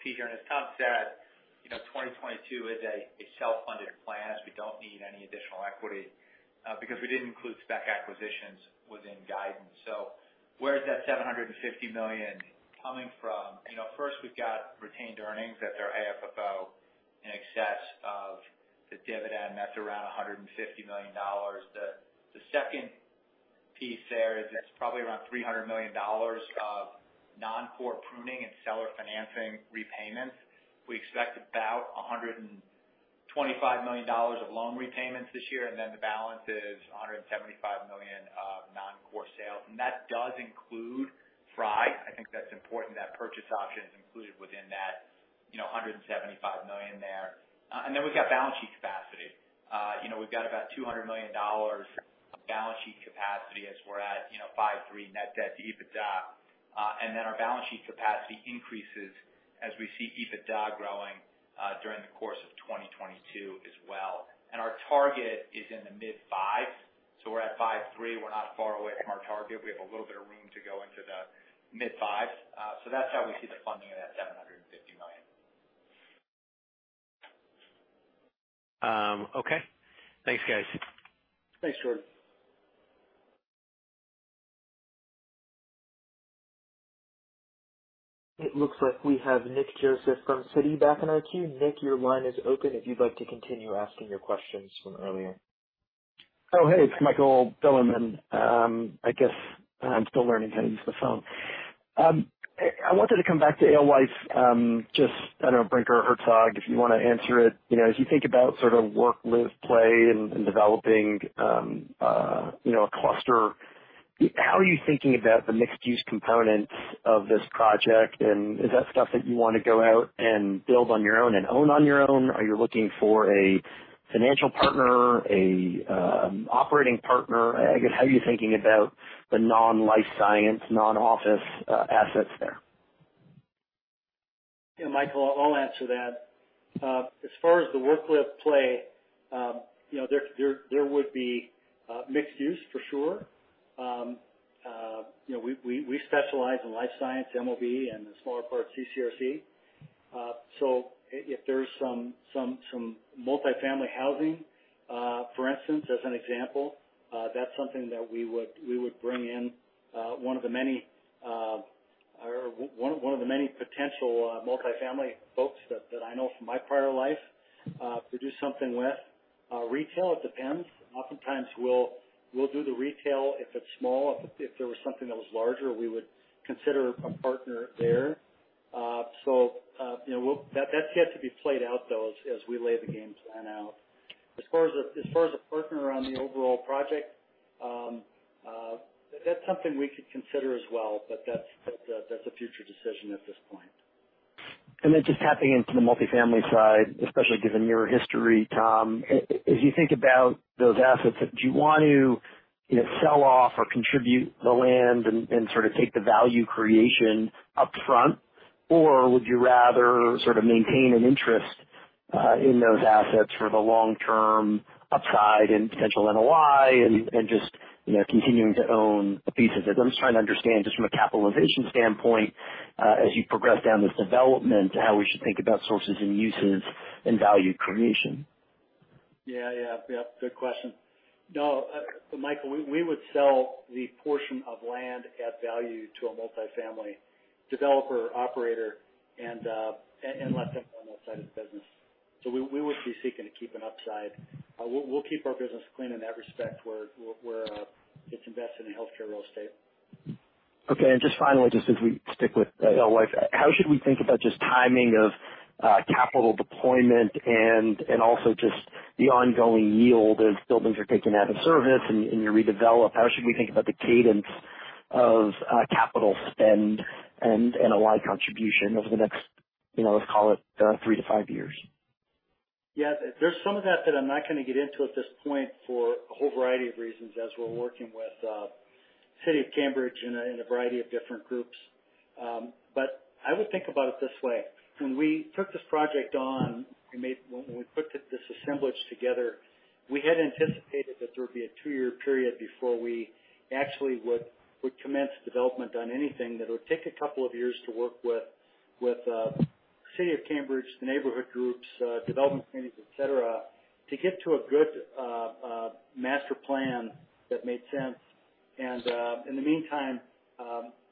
Pete here. As Tom said, you know, 2022 is a self-funded plan. We don't need any additional equity because we didn't include spec acquisitions within guidance. So where is that $750 million coming from? You know, first we've got retained earnings that are AFFO in excess of the dividend, that's around $150 million. The second piece there is it's probably around $300 million of non-core pruning and seller financing repayments. We expect about $125 million of loan repayments this year, and then the balance is $175 million of non-core sales. That does include Frye. I think that's important that purchase option is included within that, you know, $175 million there. And then we've got balance sheet capacity. You know, we've got about $200 million of balance sheet capacity as we're at, you know, 5.3 net debt to EBITDA. Our balance sheet capacity increases as we see EBITDA growing during the course of 2022 as well. Our target is in the mid-5s. We're at 5.3. We're not far away from our target. We have a little bit of room to go into the mid-5s. That's how we see the funding of that $750 million. Okay. Thanks, guys. Thanks, Jordan. It looks like we have Nick Joseph from Citi back in our queue. Nick, your line is open if you'd like to continue asking your questions from earlier. Oh, hey, it's Michael Bilerman. I guess I'm still learning how to use the phone. I wanted to come back to Alewife, just, I don't know, Brinker, Herzog, if you wanna answer it. You know, as you think about sort of work, live, play and developing, you know, a cluster, how are you thinking about the mixed use components of this project? And is that stuff that you wanna go out and build on your own and own on your own? Are you looking for a financial partner, a operating partner? I guess, how are you thinking about the non-life science, non-office assets there? Yeah, Michael, I'll answer that. As far as the work, live, play, you know, there would be mixed use for sure. You know, we specialize in life science, MOB, and the smaller part CCRC. If there's some multifamily housing, for instance, as an example, that's something that we would bring in one of the many potential multifamily folks that I know from my prior life to do something with. Retail, it depends. Oftentimes we'll do the retail if it's small. If there was something that was larger, we would consider a partner there. You know, we'll. That's yet to be played out though as we lay the game plan out. As far as a partner on the overall project, that's something we could consider as well, but that's a future decision at this point. Then just tapping into the multifamily side, especially given your history, Tom, as you think about those assets, do you want to, you know, sell off or contribute the land and sort of take the value creation up front? Or would you rather sort of maintain an interest in those assets for the long-term upside and potential NOI and just, you know, continuing to own a piece of it? I'm just trying to understand just from a capitalization standpoint, as you progress down this development, how we should think about sources and uses and value creation. Yeah. Good question. No, Michael, we would sell the portion of land at value to a multifamily developer operator and let them run that side of the business. We wouldn't be seeking to keep an upside. We'll keep our business clean in that respect, where it's invested in healthcare real estate. Okay. Just finally, just as we stick with Alewife, how should we think about just timing of capital deployment and also just the ongoing yield as buildings are taken out of service and you redevelop? How should we think about the cadence of capital spend and ally contribution over the next, you know, let's call it, three to five years? Yeah. There's some of that that I'm not gonna get into at this point for a whole variety of reasons, as we're working with City of Cambridge and a variety of different groups. I would think about it this way. When we took this project on, when we put this assemblage together, we had anticipated that there would be a two-year period before we actually would commence development on anything, that it would take a couple of years to work with City of Cambridge, the neighborhood groups, development committees, et cetera, to get to a good master plan that made sense. In the meantime,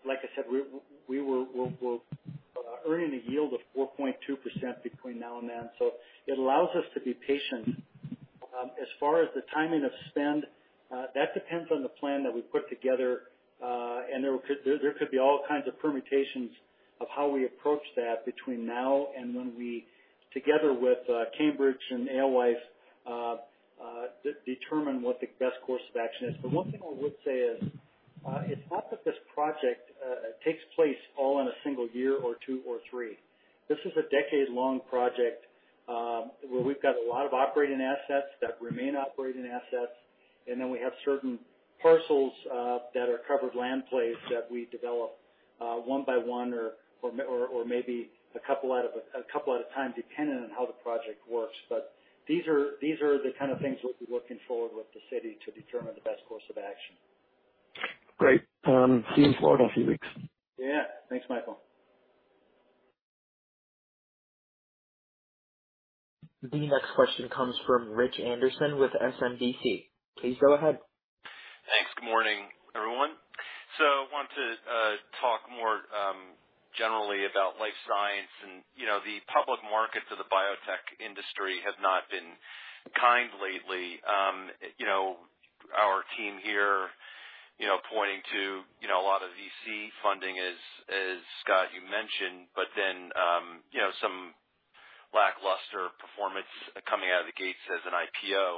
like I said, we're earning a yield of 4.2% between now and then. It allows us to be patient. As far as the timing of spend, that depends on the plan that we put together. There could be all kinds of permutations of how we approach that between now and when we, together with Cambridge and Alewife, determine what the best course of action is. One thing I would say is, it's not that this project takes place all in a single year or two or three. This is a decade-long project, where we've got a lot of operating assets that remain operating assets, and then we have certain parcels that are covered land plays that we develop one by one or maybe a couple at a time, depending on how the project works. These are the kind of things we'll be working forward with the city to determine the best course of action. Great. See you in Florida in a few weeks. Yeah. Thanks, Michael. The next question comes from Rich Anderson with SMBC. Please go ahead. Thanks. Good morning, everyone. I want to talk more generally about life science. You know, the public markets of the biotech industry have not been kind lately. You know, our team here, you know, pointing to, you know, a lot of VC funding, as Scott, you mentioned, but then you know, some lackluster performance coming out of the gates as an IPO.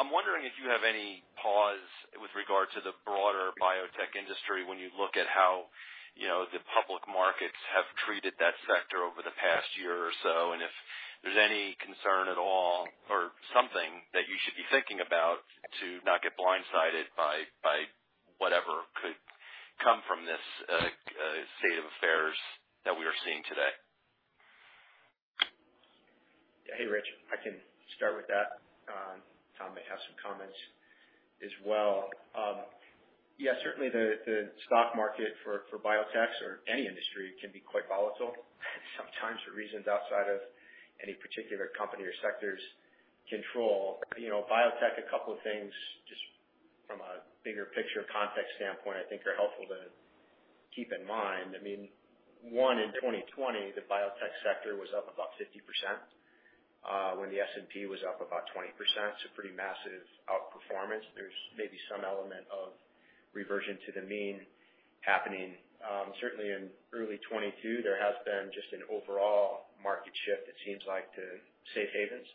I'm wondering if you have any pause with regard to the broader biotech industry when you look at how, you know, the public markets have treated that sector over the past year or so, and if there's any concern at all or something that you should be thinking about to not get blindsided by whatever could come from this state of affairs that we are seeing today. Hey, Rich, I can start with that. Tom may have some comments as well. Yeah, certainly the stock market for biotechs or any industry can be quite volatile sometimes for reasons outside of any particular company or sector's control. You know, biotech, a couple of things just from a bigger picture context standpoint I think are helpful to keep in mind. I mean, one, in 2020, the biotech sector was up about 50%, when the S&P was up about 20%, so pretty massive outperformance. There's maybe some element of reversion to the mean happening. Certainly in early 2022, there has been just an overall market shift, it seems like, to safe havens,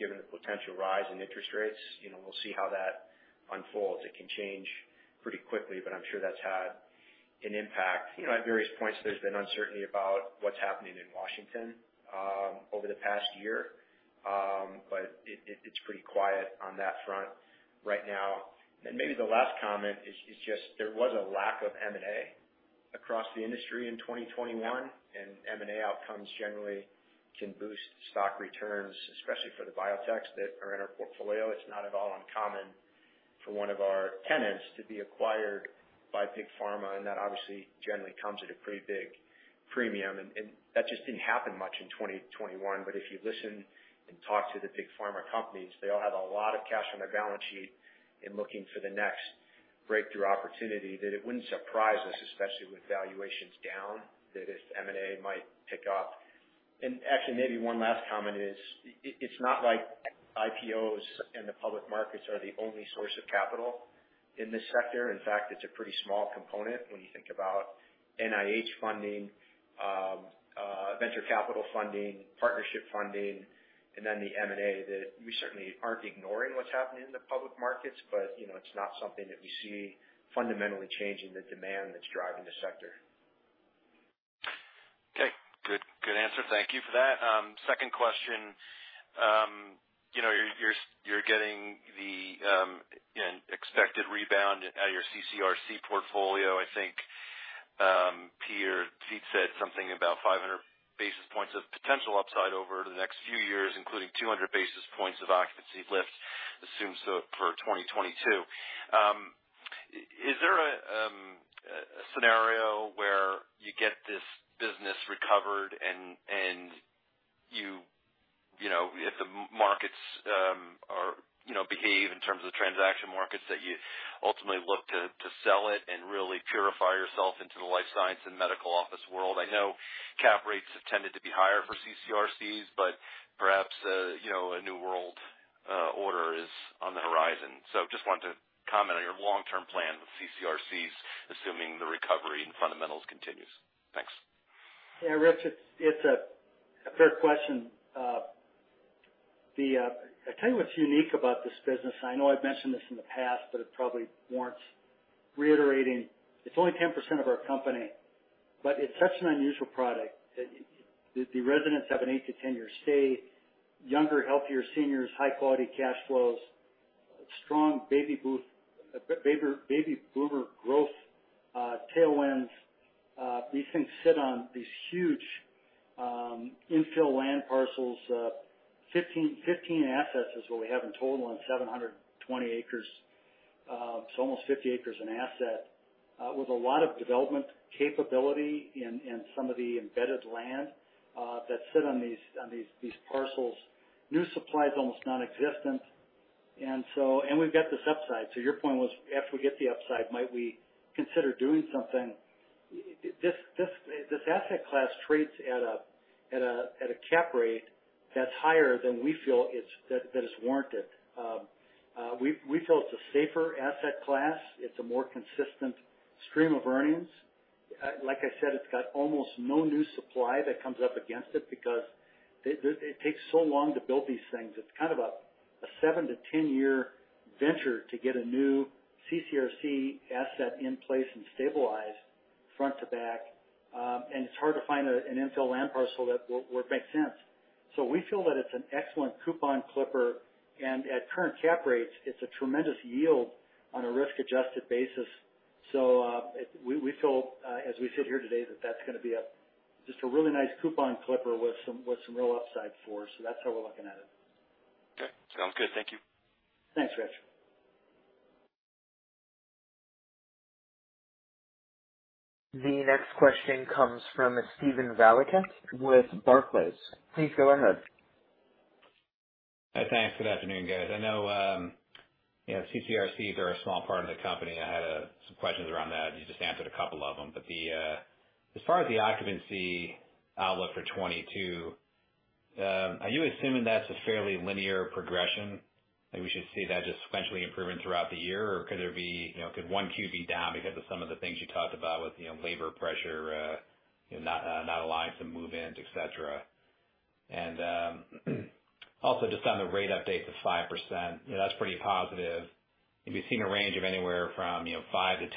given the potential rise in interest rates. You know, we'll see how that unfolds. It can change pretty quickly, but I'm sure that's had an impact. You know, at various points, there's been uncertainty about what's happening in Washington over the past year. It's pretty quiet on that front right now. Maybe the last comment is just there was a lack of M&A across the industry in 2021, and M&A outcomes generally can boost stock returns, especially for the biotechs that are in our portfolio. It's not at all uncommon for one of our tenants to be acquired by big pharma, and that obviously generally comes at a pretty big premium, and that just didn't happen much in 2021. If you listen and talk to the big pharma companies, they all have a lot of cash on their balance sheet and looking for the next breakthrough opportunity, that it wouldn't surprise us, especially with valuations down, that if M&A might pick up. Actually, maybe one last comment is it's not like IPOs and the public markets are the only source of capital in this sector. In fact, it's a pretty small component when you think about NIH funding, venture capital funding, partnership funding, and then the M&A, that we certainly aren't ignoring what's happening in the public markets, but, you know, it's not something that we see fundamentally changing the demand that's driving the sector. Okay. Good. Good answer. Thank you for that. Second question. You know, you're getting the expected rebound at your CCRC portfolio. I think Pete Scott said something about 500 basis points of potential upside over the next few years, including 200 basis points of occupancy lift assumed, so for 2022. Is there a scenario where you get this business recovered and you know, if the markets, you know, behave in terms of transaction markets, that you ultimately look to sell it and really pure-play yourself into the life science and medical office world. I know cap rates have tended to be higher for CCRCs, but perhaps you know, a new world order is on the horizon. Just wanted to comment on your long-term plan with CCRCs, assuming the recovery in fundamentals continues. Thanks. Yeah, Rich, it's a fair question. I'll tell you what's unique about this business, and I know I've mentioned this in the past, but it probably warrants reiterating. It's only 10% of our company, but it's such an unusual product. The residents have an eight to 10-year stay. Younger, healthier seniors, high quality cash flows, strong baby boomer growth tailwinds. These things sit on these huge infill land parcels. Fifteen assets is what we have in total on 720 acres. So almost 50 acres an asset with a lot of development capability in some of the embedded land that sit on these parcels. New supply is almost non-existent. We've got this upside. Your point was, after we get the upside, might we consider doing something? This asset class trades at a cap rate that's higher than we feel it is warranted. We feel it's a safer asset class. It's a more consistent stream of earnings. Like I said, it's got almost no new supply that comes up against it because it takes so long to build these things. It's kind of a seven to 10-year venture to get a new CCRC asset in place and stabilized front to back. It's hard to find an infill land parcel that would make sense. We feel that it's an excellent coupon clipper, and at current cap rates, it's a tremendous yield on a risk-adjusted basis. We feel as we sit here today that that's gonna be a just a really nice coupon clipper with some real upside for us. That's how we're looking at it. Okay. Sounds good. Thank you. Thanks, Rich. The next question comes from Steven Valiquette with Barclays. Please go ahead. Thanks. Good afternoon, guys. I know, you know, CCRCs are a small part of the company. I had some questions around that. You just answered a couple of them. As far as the occupancy outlook for 2022, are you assuming that's a fairly linear progression? That we should see that just sequentially improving throughout the year? Or could there be, you know, could one Q be down because of some of the things you talked about with, you know, labor pressure, you know, not allowing some move-ins, et cetera. Also just on the rate update to 5%, you know, that's pretty positive. We've seen a range of anywhere from, you know, 5%-10%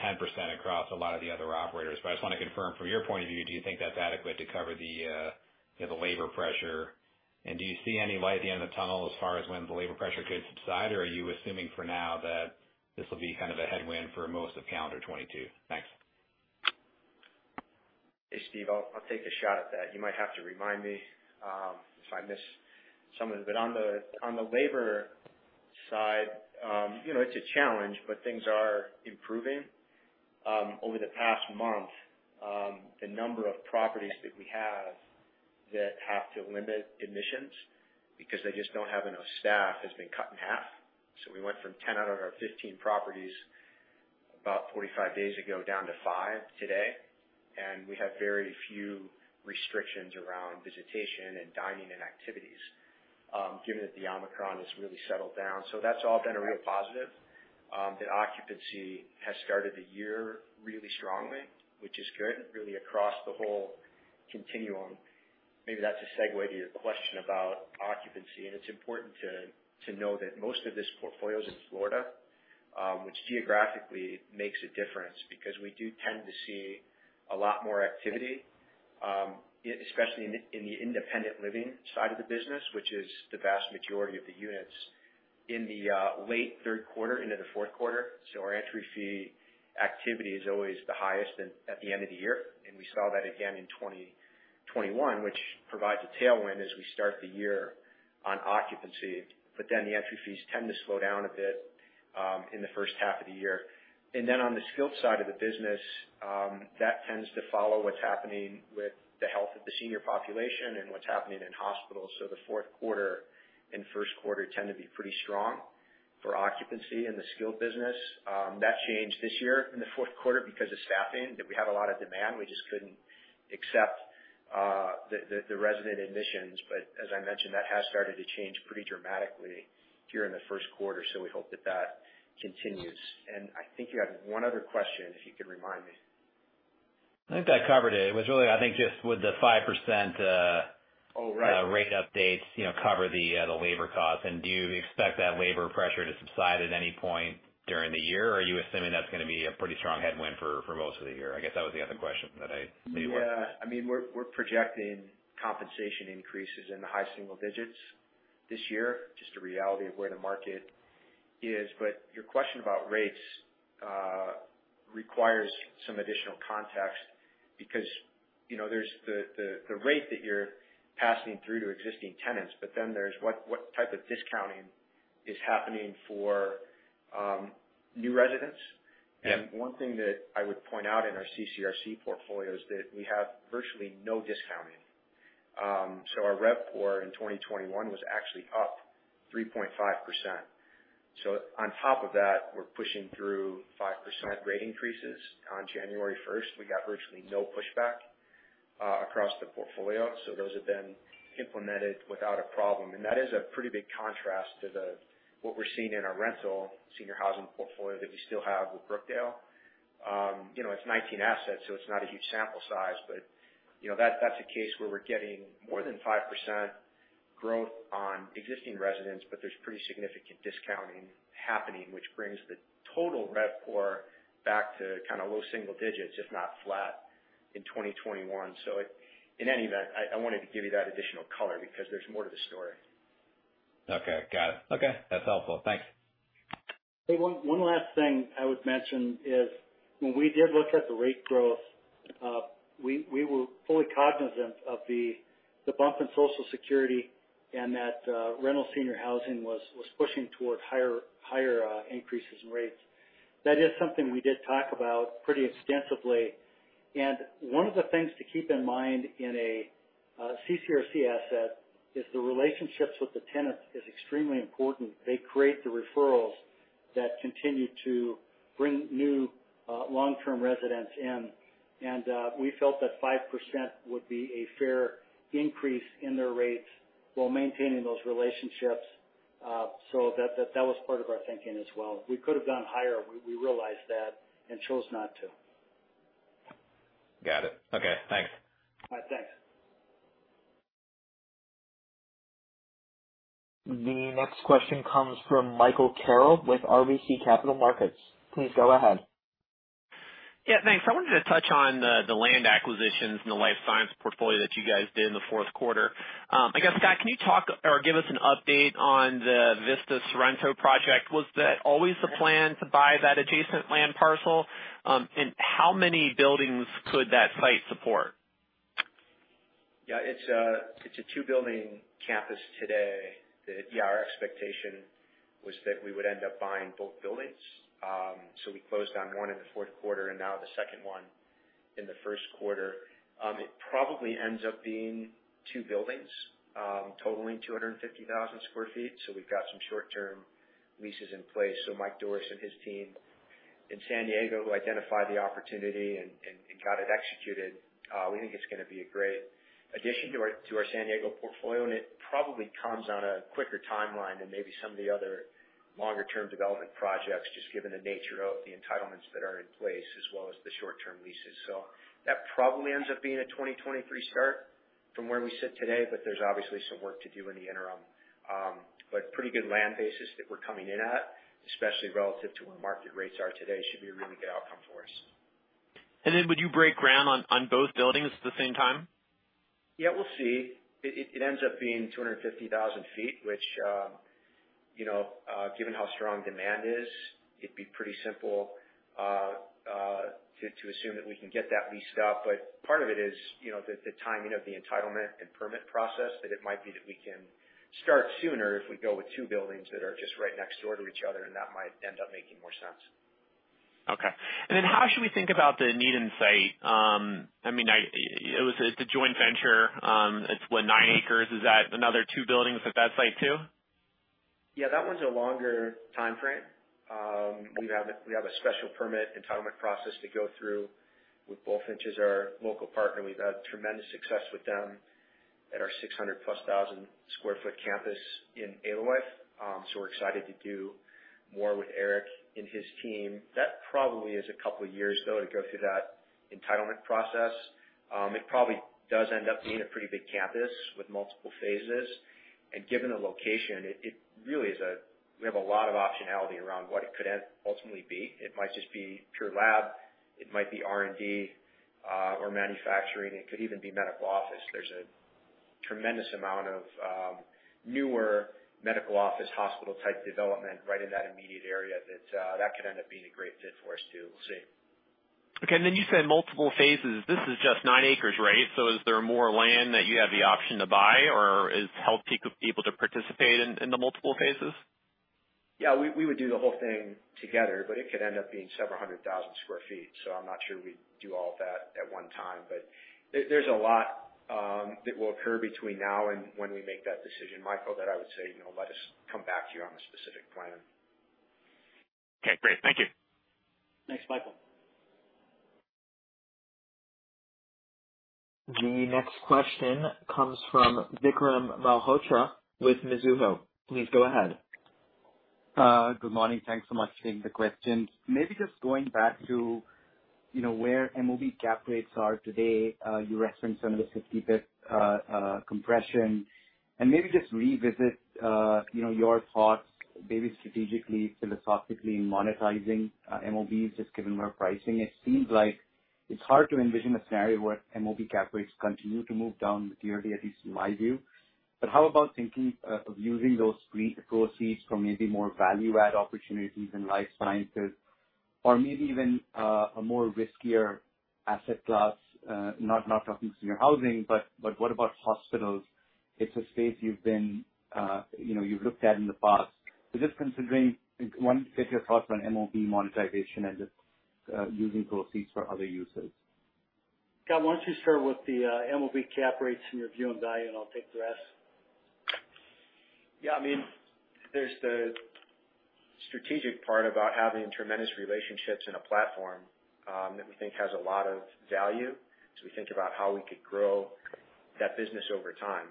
across a lot of the other operators. I just wanna confirm from your point of view, do you think that's adequate to cover the labor pressure? Do you see any light at the end of the tunnel as far as when the labor pressure could subside, or are you assuming for now that this will be kind of a headwind for most of calendar 2022? Thanks. Hey, Steve, I'll take a shot at that. You might have to remind me if I miss some of it. On the labor side, you know, it's a challenge, but things are improving. Over the past month, the number of properties that we have that have to limit admissions because they just don't have enough staff has been cut in half. We went from 10 out of our 15 properties about 45 days ago down to 5 today. We have very few restrictions around visitation and dining and activities, given that the Omicron has really settled down. That's all been a real positive. The occupancy has started the year really strongly, which is good really across the whole continuum. Maybe that's a segue to your question about occupancy. It's important to know that most of this portfolio is in Florida, which geographically makes a difference because we do tend to see a lot more activity, especially in the independent living side of the business, which is the vast majority of the units in the late third quarter into the fourth quarter. Our entry fee activity is always the highest in at the end of the year. We saw that again in 2021, which provides a tailwind as we start the year on occupancy. Then the entry fees tend to slow down a bit in the first half of the year. Then on the skilled side of the business, that tends to follow what's happening with the health of the senior population and what's happening in hospitals. The fourth quarter and first quarter tend to be pretty strong for occupancy in the skilled business. That changed this year in the fourth quarter because of staffing, that we had a lot of demand. We just couldn't accept the resident admissions. As I mentioned, that has started to change pretty dramatically here in the first quarter. We hope that that continues. I think you had one other question, if you could remind me. I think that covered it. It was really, I think, just the 5%. Oh, right. Rate updates, you know, cover the labor costs. Do you expect that labor pressure to subside at any point during the year? Or are you assuming that's gonna be a pretty strong headwind for most of the year? I guess that was the other question that I knew you had. I mean, we're projecting compensation increases in the high single digits this year, just the reality of where the market is. Your question about rates requires some additional context because, you know, there's the rate that you're passing through to existing tenants, but then there's what type of discounting is happening for new residents. Yeah. One thing that I would point out in our CCRC portfolio is that we have virtually no discounting. Our rev POR in 2021 was actually up 3.5%. On top of that, we're pushing through 5% rate increases on January first. We got virtually no pushback across the portfolio, so those have been implemented without a problem. That is a pretty big contrast to what we're seeing in our rental senior housing portfolio that we still have with Brookdale. You know, it's 19 assets, so it's not a huge sample size. You know, that's a case where we're getting more than 5% growth on existing residents, but there's pretty significant discounting happening, which brings the total rev POR back to kinda low single digits, if not flat, in 2021. In any event, I wanted to give you that additional color because there's more to the story. Okay, got it. Okay, that's helpful. Thanks. One last thing I would mention is when we did look at the rate growth, we were fully cognizant of the bump in Social Security and that rental senior housing was pushing towards higher increases in rates. That is something we did talk about pretty extensively. One of the things to keep in mind in a CCRC asset is the relationships with the tenants is extremely important. They create the referrals that continue to bring new long-term residents in. We felt that 5% would be a fair increase in their rates while maintaining those relationships, so that was part of our thinking as well. We could have gone higher, we realized that, and chose not to. Got it. Okay, thanks. All right. Thanks. The next question comes from Michael Carroll with RBC Capital Markets. Please go ahead. Yeah, thanks. I wanted to touch on the land acquisitions and the life science portfolio that you guys did in the fourth quarter. I guess, Scott, can you talk or give us an update on the Vista Sorrento project? Was that always the plan to buy that adjacent land parcel? And how many buildings could that site support? Yeah, it's a two-building campus today that our expectation was that we would end up buying both buildings. So we closed on one in the fourth quarter and now the second one in the first quarter. It probably ends up being two buildings, totaling 250,000 sq ft. So we've got some short-term leases in place. So Michael Dorris and his team in San Diego, who identified the opportunity and got it executed, we think it's gonna be a great addition to our San Diego portfolio. It probably comes on a quicker timeline than maybe some of the other longer term development projects, just given the nature of the entitlements that are in place as well as the short term leases. That probably ends up being a 2023 start from where we sit today. There's obviously some work to do in the interim. Pretty good land basis that we're coming in at, especially relative to where market rates are today, should be a really good outcome for us. Would you break ground on both buildings at the same time? Yeah, we'll see. It ends up being 250,000 sq ft, which, you know, given how strong demand is, it'd be pretty simple to assume that we can get that leased up. Part of it is, you know, the timing of the entitlement and permit process, that it might be that we can start sooner if we go with two buildings that are just right next door to each other, and that might end up making more sense. Okay. How should we think about the Needham site? I mean, it's a joint venture. It's what, nine acres. Is that another 2 buildings at that site too? Yeah, that one's a longer timeframe. We have a special permit entitlement process to go through with Bulfinch is our local partner. We've had tremendous success with them at our 600,000+ sq ft campus in Alewife. We're excited to do more with Eric and his team. That probably is a couple of years, though, to go through that entitlement process. It probably does end up being a pretty big campus with multiple phases. Given the location, it really is. We have a lot of optionality around what it could end ultimately be. It might just be pure lab. It might be R&D, or manufacturing. It could even be medical office. There's a tremendous amount of newer medical office, hospital-type development right in that immediate area that could end up being a great fit for us too. We'll see. Okay. Then you said multiple phases. This is just nine acres, right? Is there more land that you have the option to buy or help people to participate in the multiple phases? Yeah, we would do the whole thing together, but it could end up being several hundred thousand sq ft, so I'm not sure we'd do all of that at one time. But there's a lot that will occur between now and when we make that decision, Michael, that I would say, you know, let us come back to you on the specific plan. Okay, great. Thank you. Thanks, Michael. The next question comes from Vikram Malhotra with Mizuho. Please go ahead. Good morning. Thanks so much for taking the questions. Maybe just going back to, you know, where MOB cap rates are today. You referenced some of the 50 basis points compression. Maybe just revisit, you know, your thoughts, maybe strategically, philosophically, monetizing MOB just given where pricing is. Seems like it's hard to envision a scenario where MOB cap rates continue to move down materially, at least in my view. But how about thinking of using those proceeds for maybe more value-add opportunities in life sciences or maybe even a more riskier asset class. Not talking senior housing, but what about hospitals. It's a space you've been, you know, you've looked at in the past. Just considering, wanted to get your thoughts on MOB monetization and just using proceeds for other uses. Scott, why don't you start with the MOB cap rates and your view on value, and I'll take the rest. Yeah. I mean, there's the strategic part about having tremendous relationships in a platform that we think has a lot of value as we think about how we could grow that business over time,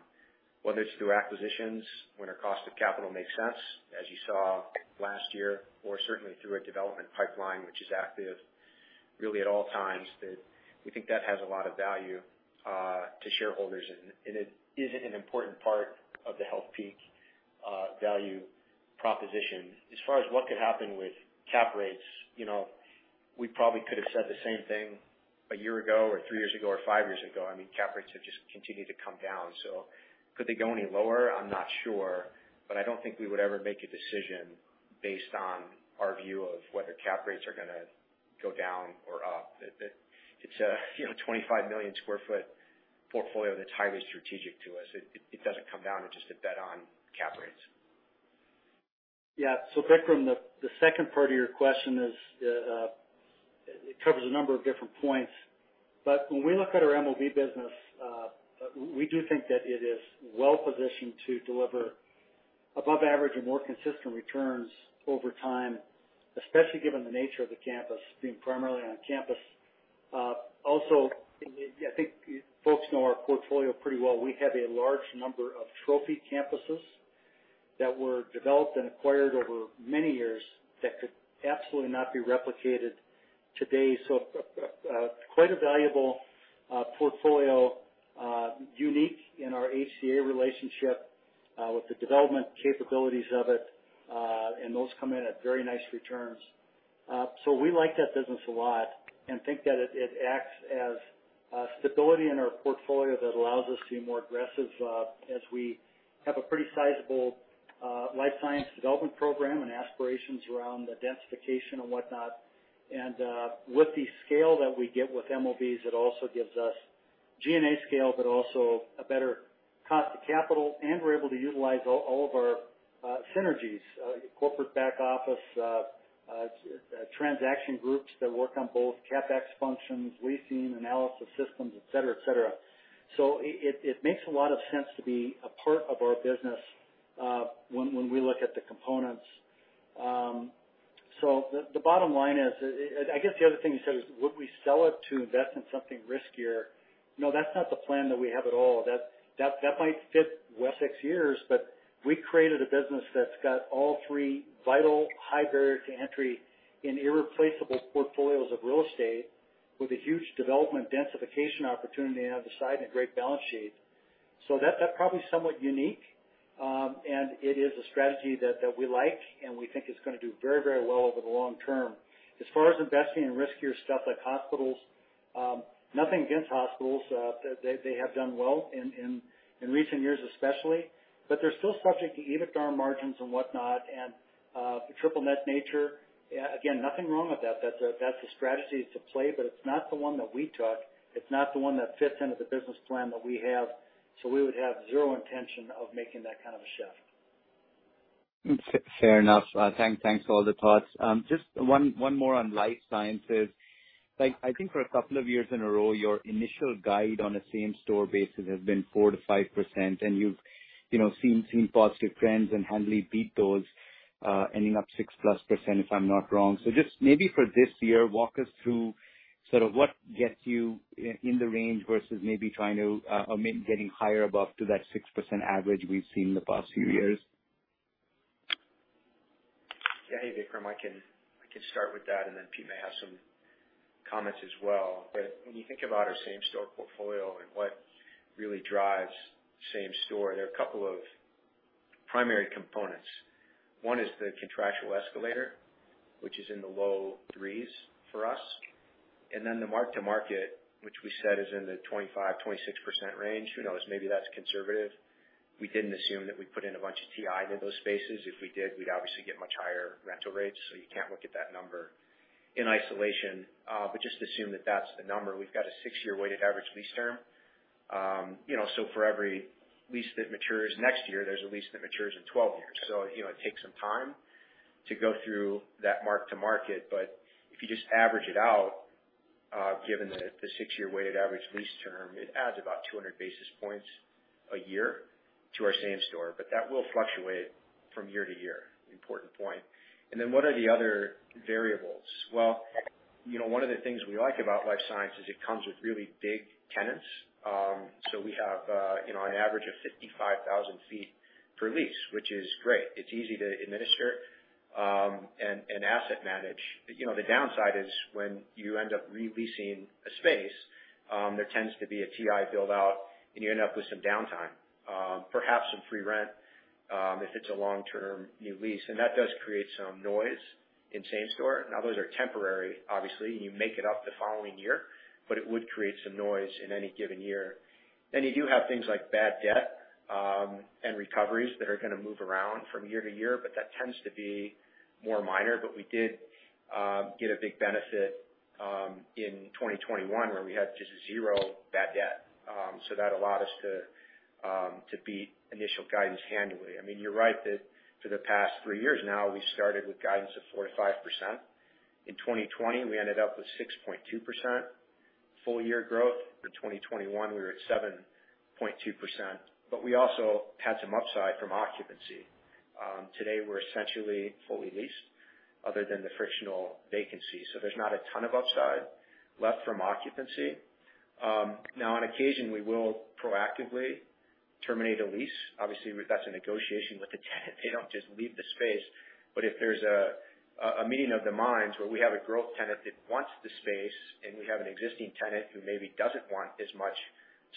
whether it's through acquisitions, when our cost of capital makes sense, as you saw last year, or certainly through a development pipeline which is active really at all times, that we think that has a lot of value to shareholders. It is an important part of the Healthpeak value proposition. As far as what could happen with cap rates, you know, we probably could have said the same thing a year ago or three years ago, or five years ago. I mean, cap rates have just continued to come down. Could they go any lower? I'm not sure. I don't think we would ever make a decision based on our view of whether cap rates are gonna go down or up. It's a, you know, 25 million sq ft portfolio that's highly strategic to us. It doesn't come down to just a bet on cap rates. Yeah. Vikram, the second part of your question is, it covers a number of different points. When we look at our MOB business, we do think that it is well-positioned to deliver above average and more consistent returns over time, especially given the nature of the campus being primarily on campus. Also, I think folks know our portfolio pretty well. We have a large number of trophy campuses that were developed and acquired over many years that could absolutely not be replicated today. Quite a valuable portfolio, unique in our HCA relationship, with the development capabilities of it, and those come in at very nice returns. We like that business a lot and think that it acts as stability in our portfolio that allows us to be more aggressive, as we have a pretty sizable life science development program and aspirations around the densification and whatnot. With the scale that we get with MOBs, it also gives us G&A scale, but also a better cost to capital, and we're able to utilize all of our synergies, corporate back office, transaction groups that work on both CapEx functions, leasing, analysis systems, et cetera, et cetera. It makes a lot of sense to be a part of our business, when we look at the components. The bottom line is, I guess the other thing you said is, would we sell it to invest in something riskier? No, that's not the plan that we have at all. That might fit well six years, but we created a business that's got all three vital, high barriers to entry in irreplaceable portfolios of real estate with a huge development densification opportunity on the side and a great balance sheet. That's probably somewhat unique. It is a strategy that we like and we think is gonna do very, very well over the long term. As far as investing in riskier stuff like hospitals, nothing against hospitals, they have done well in recent years especially, but they're still subject to EBITDA margins and whatnot, and the triple net nature. Again, nothing wrong with that. That's a strategy to play, but it's not the one that we took. It's not the one that fits into the business plan that we have, so we would have zero intention of making that kind of a shift. Fair enough. Thanks for all the thoughts. Just one more on life sciences. Like, I think for a couple of years in a row, your initial guide on a same-store basis has been 4%-5%, and you've, you know, seen positive trends and handily beat those, ending up 6%+, if I'm not wrong. Just maybe for this year, walk us through sort of what gets you in the range versus maybe trying to or maybe getting higher above to that 6% average we've seen the past few years. Yeah. Hey, Vikram, I can start with that, and then Pete may have some comments as well. When you think about our same-store portfolio and what really drives same store, there are a couple of primary components. One is the contractual escalator, which is in the low 3s for us. Then the mark-to-market, which we said is in the 25%-26% range. Who knows, maybe that's conservative. We didn't assume that we put in a bunch of TIs in those spaces. If we did, we'd obviously get much higher rental rates, so you can't look at that number in isolation. Just assume that that's the number. We've got a six-year weighted average lease term. You know, so for every lease that matures next year, there's a lease that matures in 12 years. You know, it takes some time to go through that mark-to-market. If you just average it out, given the six-year weighted average lease term, it adds about 200 basis points a year to our same store. That will fluctuate from year to year, important point. Then what are the other variables? Well, you know, one of the things we like about life science is it comes with really big tenants. So we have, you know, an average of 55,000 sq ft per lease, which is great. It's easy to administer, and asset manage. You know, the downside is when you end up re-leasing a space, there tends to be a TI build-out, and you end up with some downtime, perhaps some free rent, if it's a long-term new lease. That does create some noise in same store. Now, those are temporary, obviously, and you make it up the following year, but it would create some noise in any given year. You do have things like bad debt and recoveries that are gonna move around from year to year, but that tends to be more minor. We did get a big benefit in 2021 where we had just 0 bad debt. That allowed us to beat initial guidance annually. I mean, you're right that for the past three years now, we started with guidance of 45%. In 2020, we ended up with 6.2% full year growth. For 2021, we were at 7.2%, but we also had some upside from occupancy. Today, we're essentially fully leased other than the frictional vacancy, so there's not a ton of upside left from occupancy. Now on occasion, we will proactively terminate a lease. Obviously, that's a negotiation with the tenant. They don't just leave the space. If there's a meeting of the minds where we have a growth tenant that wants the space and we have an existing tenant who maybe doesn't want as much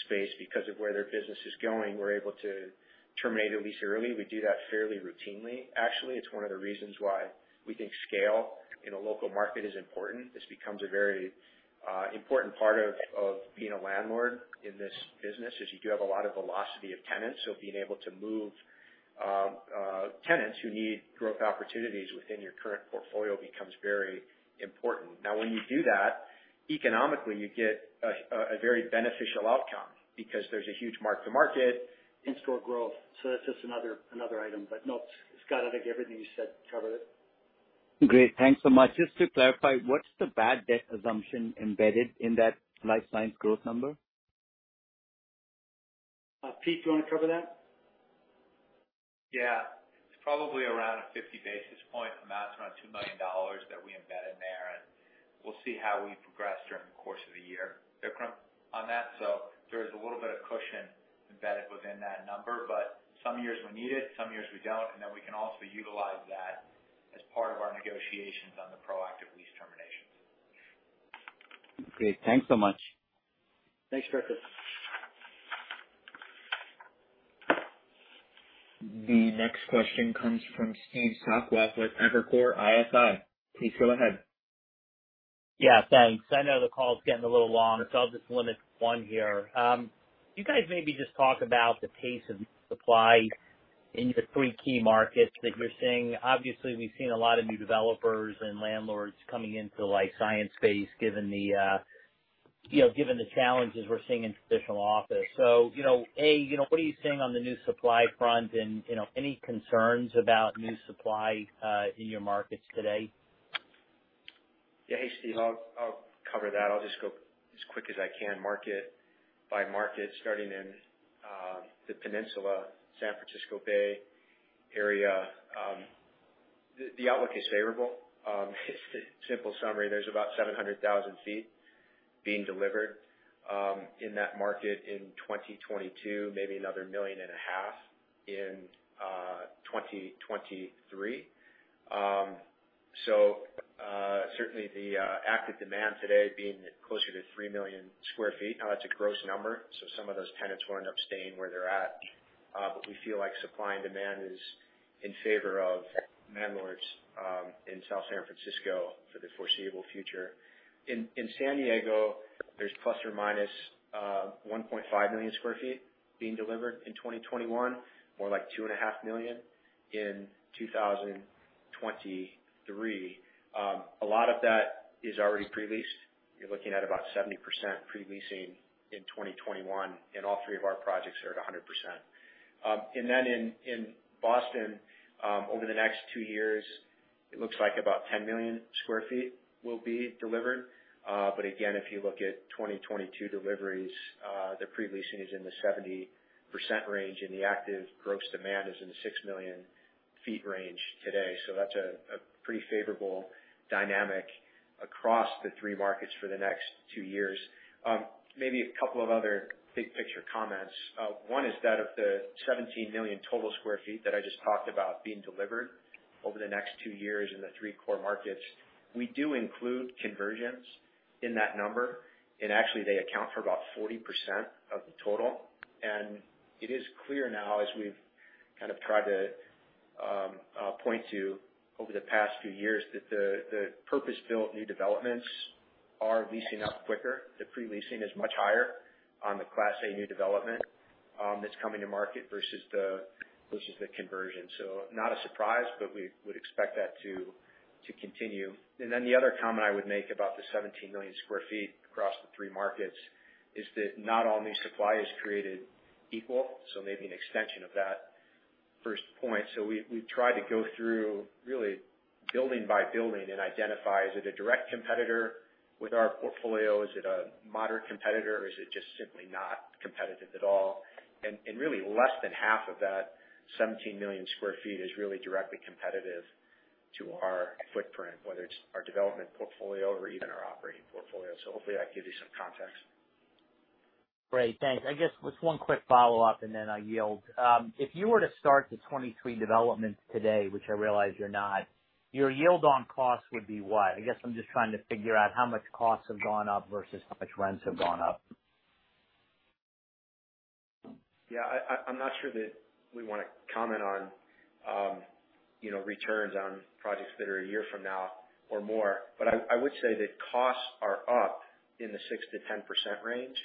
space because of where their business is going, we're able to terminate a lease early. We do that fairly routinely. Actually, it's one of the reasons why we think scale in a local market is important. This becomes a very important part of being a landlord in this business, is you do have a lot of velocity of tenants. Being able to move tenants who need growth opportunities within your current portfolio becomes very important. Now, when you do that, economically, you get a very beneficial outcome because there's a huge mark-to-market in-place growth. That's just another item. Scott, I think everything you said covered it. Great. Thanks so much. Just to clarify, what's the bad debt assumption embedded in that life science growth number? Pete, do you want to cover that? Yeah. It's probably around a 50 basis points amount, around $2 million that we embed in there, and we'll see how we progress during the course of the year increment on that. There's a little bit of cushion embedded within that number. Some years we need it, some years we don't, and then we can also utilize that as part of our negotiations on the proactive lease terminations. Great. Thanks so much. Thanks, Vikram. The next question comes from Steve Sakwa with Evercore ISI. Please go ahead. Yeah, thanks. I know the call's getting a little long, so I'll just limit to one here. Can you guys maybe just talk about the pace of new supply in your three key markets that you're seeing? Obviously, we've seen a lot of new developers and landlords coming into the life science space, given the challenges we're seeing in traditional office. You know, A, you know, what are you seeing on the new supply front? You know, any concerns about new supply in your markets today? Yeah. Hey, Steve. I'll cover that. I'll just go as quick as I can, market by market, starting in the Peninsula San Francisco Bay Area. The outlook is favorable. Simple summary, there's about 700,000 sq ft being delivered in that market in 2022, maybe another 1.5 million in 2023. So certainly the active demand today being closer to 3 million sq ft. Now that's a gross number, so some of those tenants will end up staying where they're at. But we feel like supply and demand is in favor of landlords in South San Francisco for the foreseeable future. In San Diego, there's ±1.5 million sq ft being delivered in 2021, more like 2.5 million in 2023. A lot of that is already pre-leased. You're looking at about 70% pre-leasing in 2021, and all three of our projects are at 100%. And then in Boston, over the next two years, it looks like about 10 million sq ft will be delivered. But again, if you look at 2022 deliveries, the pre-leasing is in the 70% range, and the active gross demand is in the 6 million sq ft range today. That's a pretty favorable dynamic across the three markets for the next two years. Maybe a couple of other big picture comments. One is that of the 17 million sq ft total that I just talked about being delivered over the next two years in the three core markets, we do include conversions in that number, and actually they account for about 40% of the total. It is clear now, as we've kind of tried to point to over the past few years that the purpose-built new developments are leasing up quicker. The pre-leasing is much higher on the Class A new development that's coming to market versus the conversion. Not a surprise, but we would expect that to continue. Then the other comment I would make about the 17 million sq ft across the 3 markets is that not all new supply is created equal, so maybe an extension of that first point. We try to go through really building by building and identify is it a direct competitor with our portfolio? Is it a moderate competitor, or is it just simply not competitive at all? Really less than half of that 17 million sq ft is really directly competitive to our footprint, whether it's our development portfolio or even our operating portfolio. Hopefully that gives you some context. Great. Thanks. I guess just one quick follow-up and then I yield. If you were to start the 23 developments today, which I realize you're not, your yield on costs would be what? I guess I'm just trying to figure out how much costs have gone up versus how much rents have gone up. I'm not sure that we wanna comment on, you know, returns on projects that are a year from now or more. I would say that costs are up in the 6%-10% range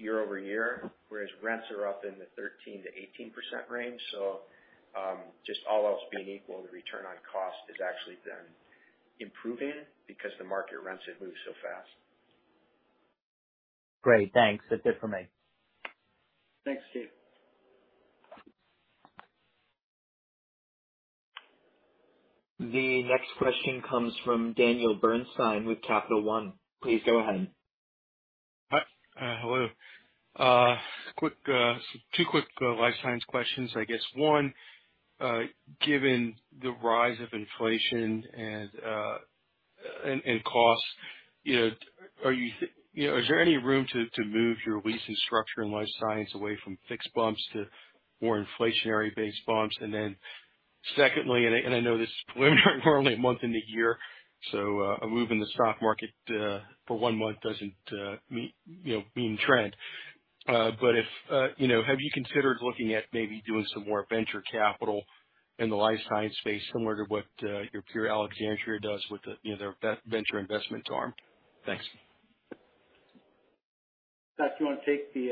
year-over-year, whereas rents are up in the 13%-18% range. Just all else being equal, the return on cost has actually been improving because the market rents have moved so fast. Great. Thanks. That's it for me. Thanks, Steve. The next question comes from Daniel Bernstein with Capital One. Please go ahead. Hello. Two quick life science questions, I guess. One, given the rise of inflation and costs, you know, is there any room to move your leasing structure in life science away from fixed bumps to more inflationary-based bumps? Secondly, I know this is we're only a month into the year, so a move in the stock market for one month doesn't mean a trend. But, you know, have you considered looking at maybe doing some more venture capital in the life science space similar to what your peer Alexandria does with their venture investment arm? Thanks. Scott, do you want to take the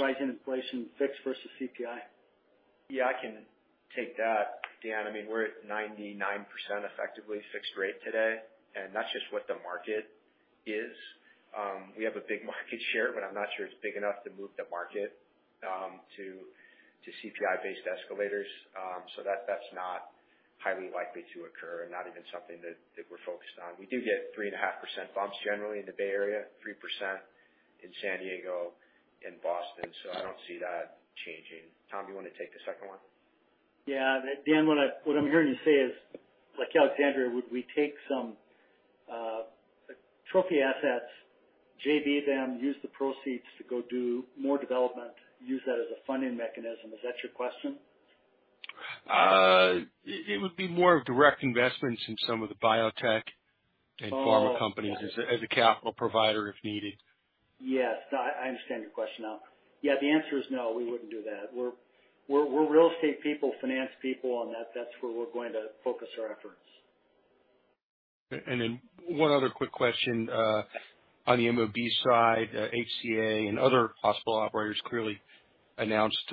rise in inflation, fixed versus CPI? Yeah, I can take that, Dan. I mean, we're at 99% effectively fixed rate today, and that's just what the market is. We have a big market share, but I'm not sure it's big enough to move the market to CPI-based escalators. So that's not highly likely to occur and not even something that we're focused on. We do get 3.5% bumps generally in the Bay Area, 3% in San Diego and Boston, so I don't see that changing. Tom, you wanna take the second one? Yeah. Dan, what I'm hearing you say is, like Alexandria, would we take some trophy assets, JV them, use the proceeds to go do more development, use that as a funding mechanism? Is that your question? It would be more of direct investments in some of the biotech- Oh. pharma companies as a capital provider if needed. Yes. No, I understand your question now. Yeah, the answer is no, we wouldn't do that. We're real estate people, finance people, and that's where we're going to focus our efforts. One other quick question on the MOB side. HCA and other hospital operators clearly announced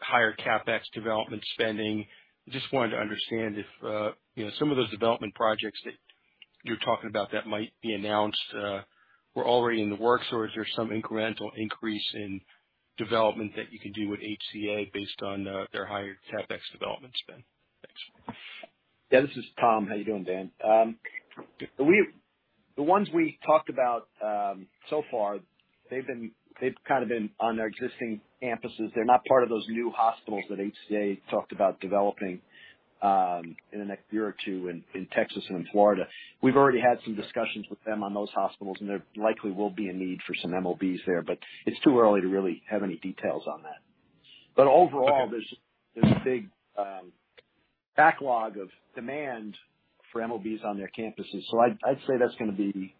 higher CapEx development spending. Just wanted to understand if, you know, some of those development projects that you're talking about that might be announced were already in the works, or is there some incremental increase in development that you could do with HCA based on their higher CapEx development spend? Thanks. Yeah, this is Tom. How you doing, Dan? The ones we talked about so far, they've kind of been on their existing campuses. They're not part of those new hospitals that HCA talked about developing in the next year or two in Texas and in Florida. We've already had some discussions with them on those hospitals, and there likely will be a need for some MOBs there, but it's too early to really have any details on that. Okay. Overall, there's a big backlog of demand for MOBs on their campuses. I'd say that's gonna be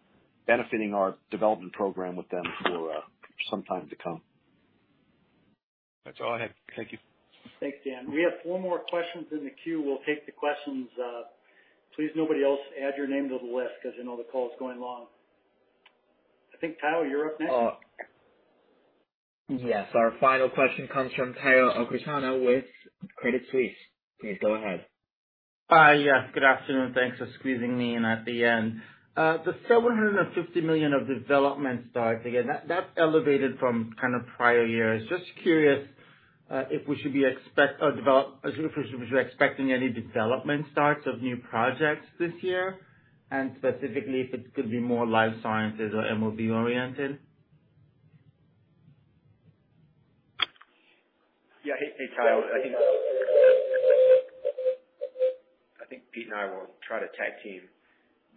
benefiting our development program with them for some time to come. That's all I had. Thank you. Thanks, Dan. We have four more questions in the queue. We'll take the questions. Please, nobody else add your name to the list, 'cause you know, the call is going long. I think, Tayo, you're up next. Yes. Our final question comes from Omotayo Okusanya with Credit Suisse. Please go ahead. Hi. Yes, good afternoon. Thanks for squeezing me in at the end. The $750 million of development starts, again, that's elevated from kind of prior years. Just curious, if we should be expecting any development starts of new projects this year? Specifically, if it could be more life sciences or MOB oriented. Yeah. Hey, Tayo. I think Pete and I will try to tag team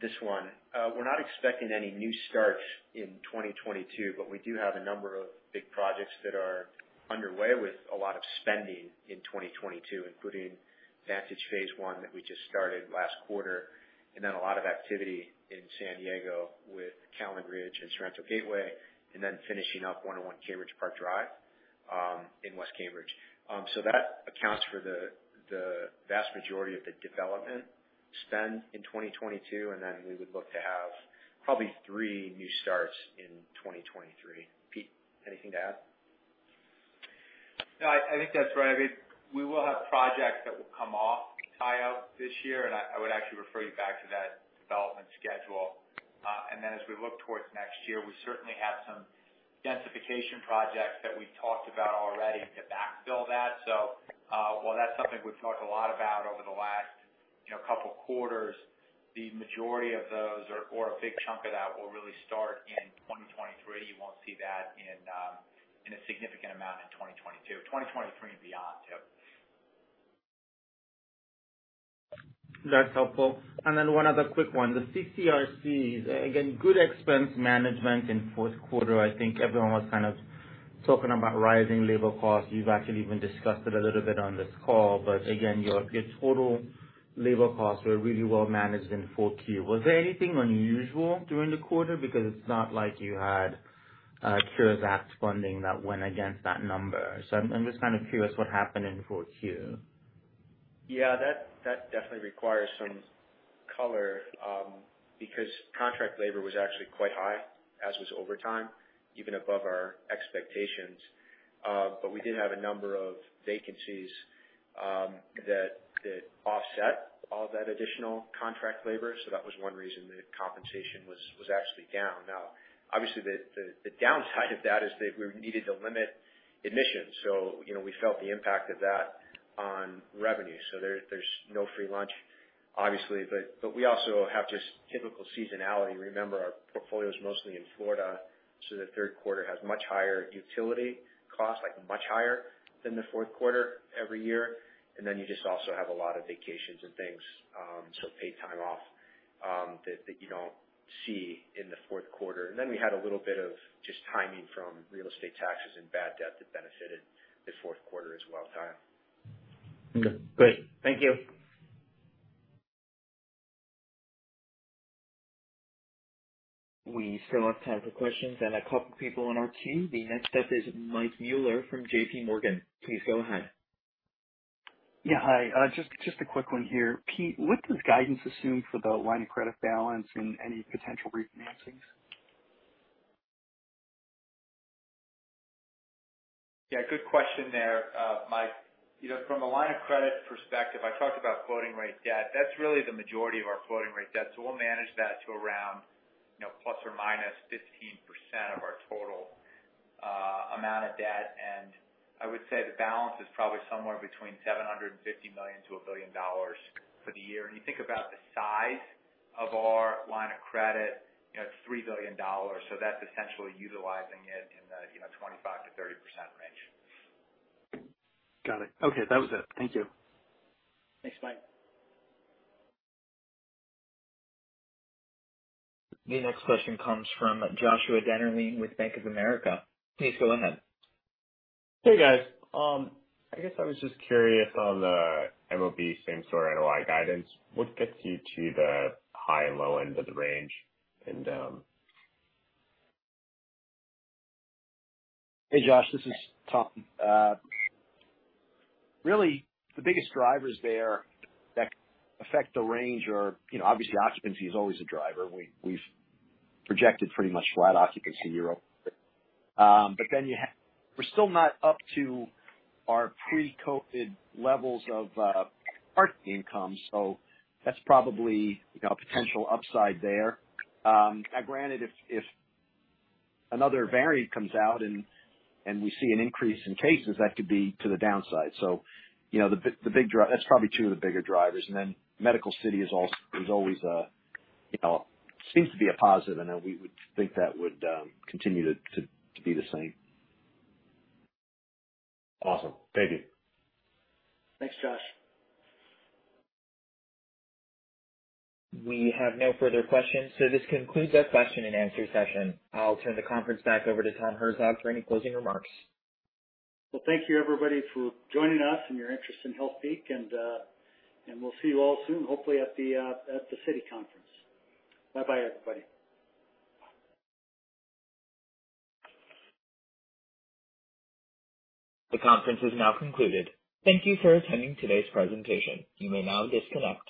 this one. I think we're not expecting any new starts in 2022, but we do have a number of big projects that are underway with a lot of spending in 2022, including Vantage phase one that we just started last quarter. A lot of activity in San Diego with Callan Ridge and Sorrento Gateway, and then finishing up 101 Cambridge Park Drive in West Cambridge. That accounts for the vast majority of the development spend in 2022, and then we would look to have probably 3 new starts in 2023. Pete, anything to add? No, I think that's right. I mean, we will have projects that will come off, Tayo, this year, and I would actually refer you back to that development schedule. Then as we look towards next year, we certainly have some densification projects that we talked about already to backfill that. While that's something we've talked a lot about over the last, you know, couple quarters, the majority of those or a big chunk of that will really start in 2023. You won't see that in a significant amount in 2022. 2023 and beyond, Tayo. That's helpful. Then one other quick one, the CCRC, again, good expense management in fourth quarter. I think everyone was kind of talking about rising labor costs. You've actually even discussed it a little bit on this call. Again, your total labor costs were really well managed in the fourth quarter. Was there anything unusual during the quarter? Because it's not like you had CARES Act funding that went against that number. I'm just kind of curious what happened in fourth quarter. Yeah, that definitely requires some color, because contract labor was actually quite high, as was overtime, even above our expectations. We did have a number of vacancies, that offset all that additional contract labor. That was one reason the compensation was actually down. Now, obviously the downside of that is that we needed to limit admissions. You know, we felt the impact of that on revenue. There's no free lunch, obviously, but we also have just typical seasonality. Remember, our portfolio is mostly in Florida, so the third quarter has much higher utility costs, like much higher than the fourth quarter every year. Then you just also have a lot of vacations and things, so paid time off, that you don't see in the fourth quarter. We had a little bit of just timing from real estate taxes and bad debt that benefited the fourth quarter as well, Ty. Okay, great. Thank you. We still have time for questions and a couple people on our queue. The next up is Michael Mueller from JPMorgan. Please go ahead. Yeah. Hi, just a quick one here. Pete, what does guidance assume for the line of credit balance and any potential refinancings? Yeah, good question there, Mike. You know, from a line of credit perspective, I talked about floating rate debt. That's really the majority of our floating rate debt. We'll manage that to around, you know, ±15% of our total amount of debt. I would say the balance is probably somewhere between $750 million-$1 billion for the year. When you think about the size of our line of credit, you know, it's $3 billion, so that's essentially utilizing it in the, you know, 25%-30% range. Got it. Okay. That was it. Thank you. Thanks, Mike. The next question comes from Joshua Dennerlein with Bank of America. Please go ahead. Hey, guys. I guess I was just curious on the MOB same-store NOI guidance. What gets you to the high and low end of the range and... Hey, Josh, this is Tom. Really the biggest drivers there that affect the range are, you know, obviously occupancy is always a driver. We've projected pretty much flat occupancy year-over-year. But then we're still not up to our pre-COVID levels of parking income. So that's probably, you know, a potential upside there. Now granted, if another variant comes out and we see an increase in cases, that could be to the downside. So, you know, that's probably two of the bigger drivers. Then Medical City is also always a, you know, seems to be a positive and we would think that would continue to be the same. Awesome. Thank you. Thanks, Josh. We have no further questions, so this concludes our question and answer session. I'll turn the conference back over to Tom Herzog for any closing remarks. Well, thank you, everybody, for joining us and your interest in Healthpeak and we'll see you all soon, hopefully at the Citi conference. Bye-bye, everybody. The conference is now concluded. Thank you for attending today's presentation. You may now disconnect.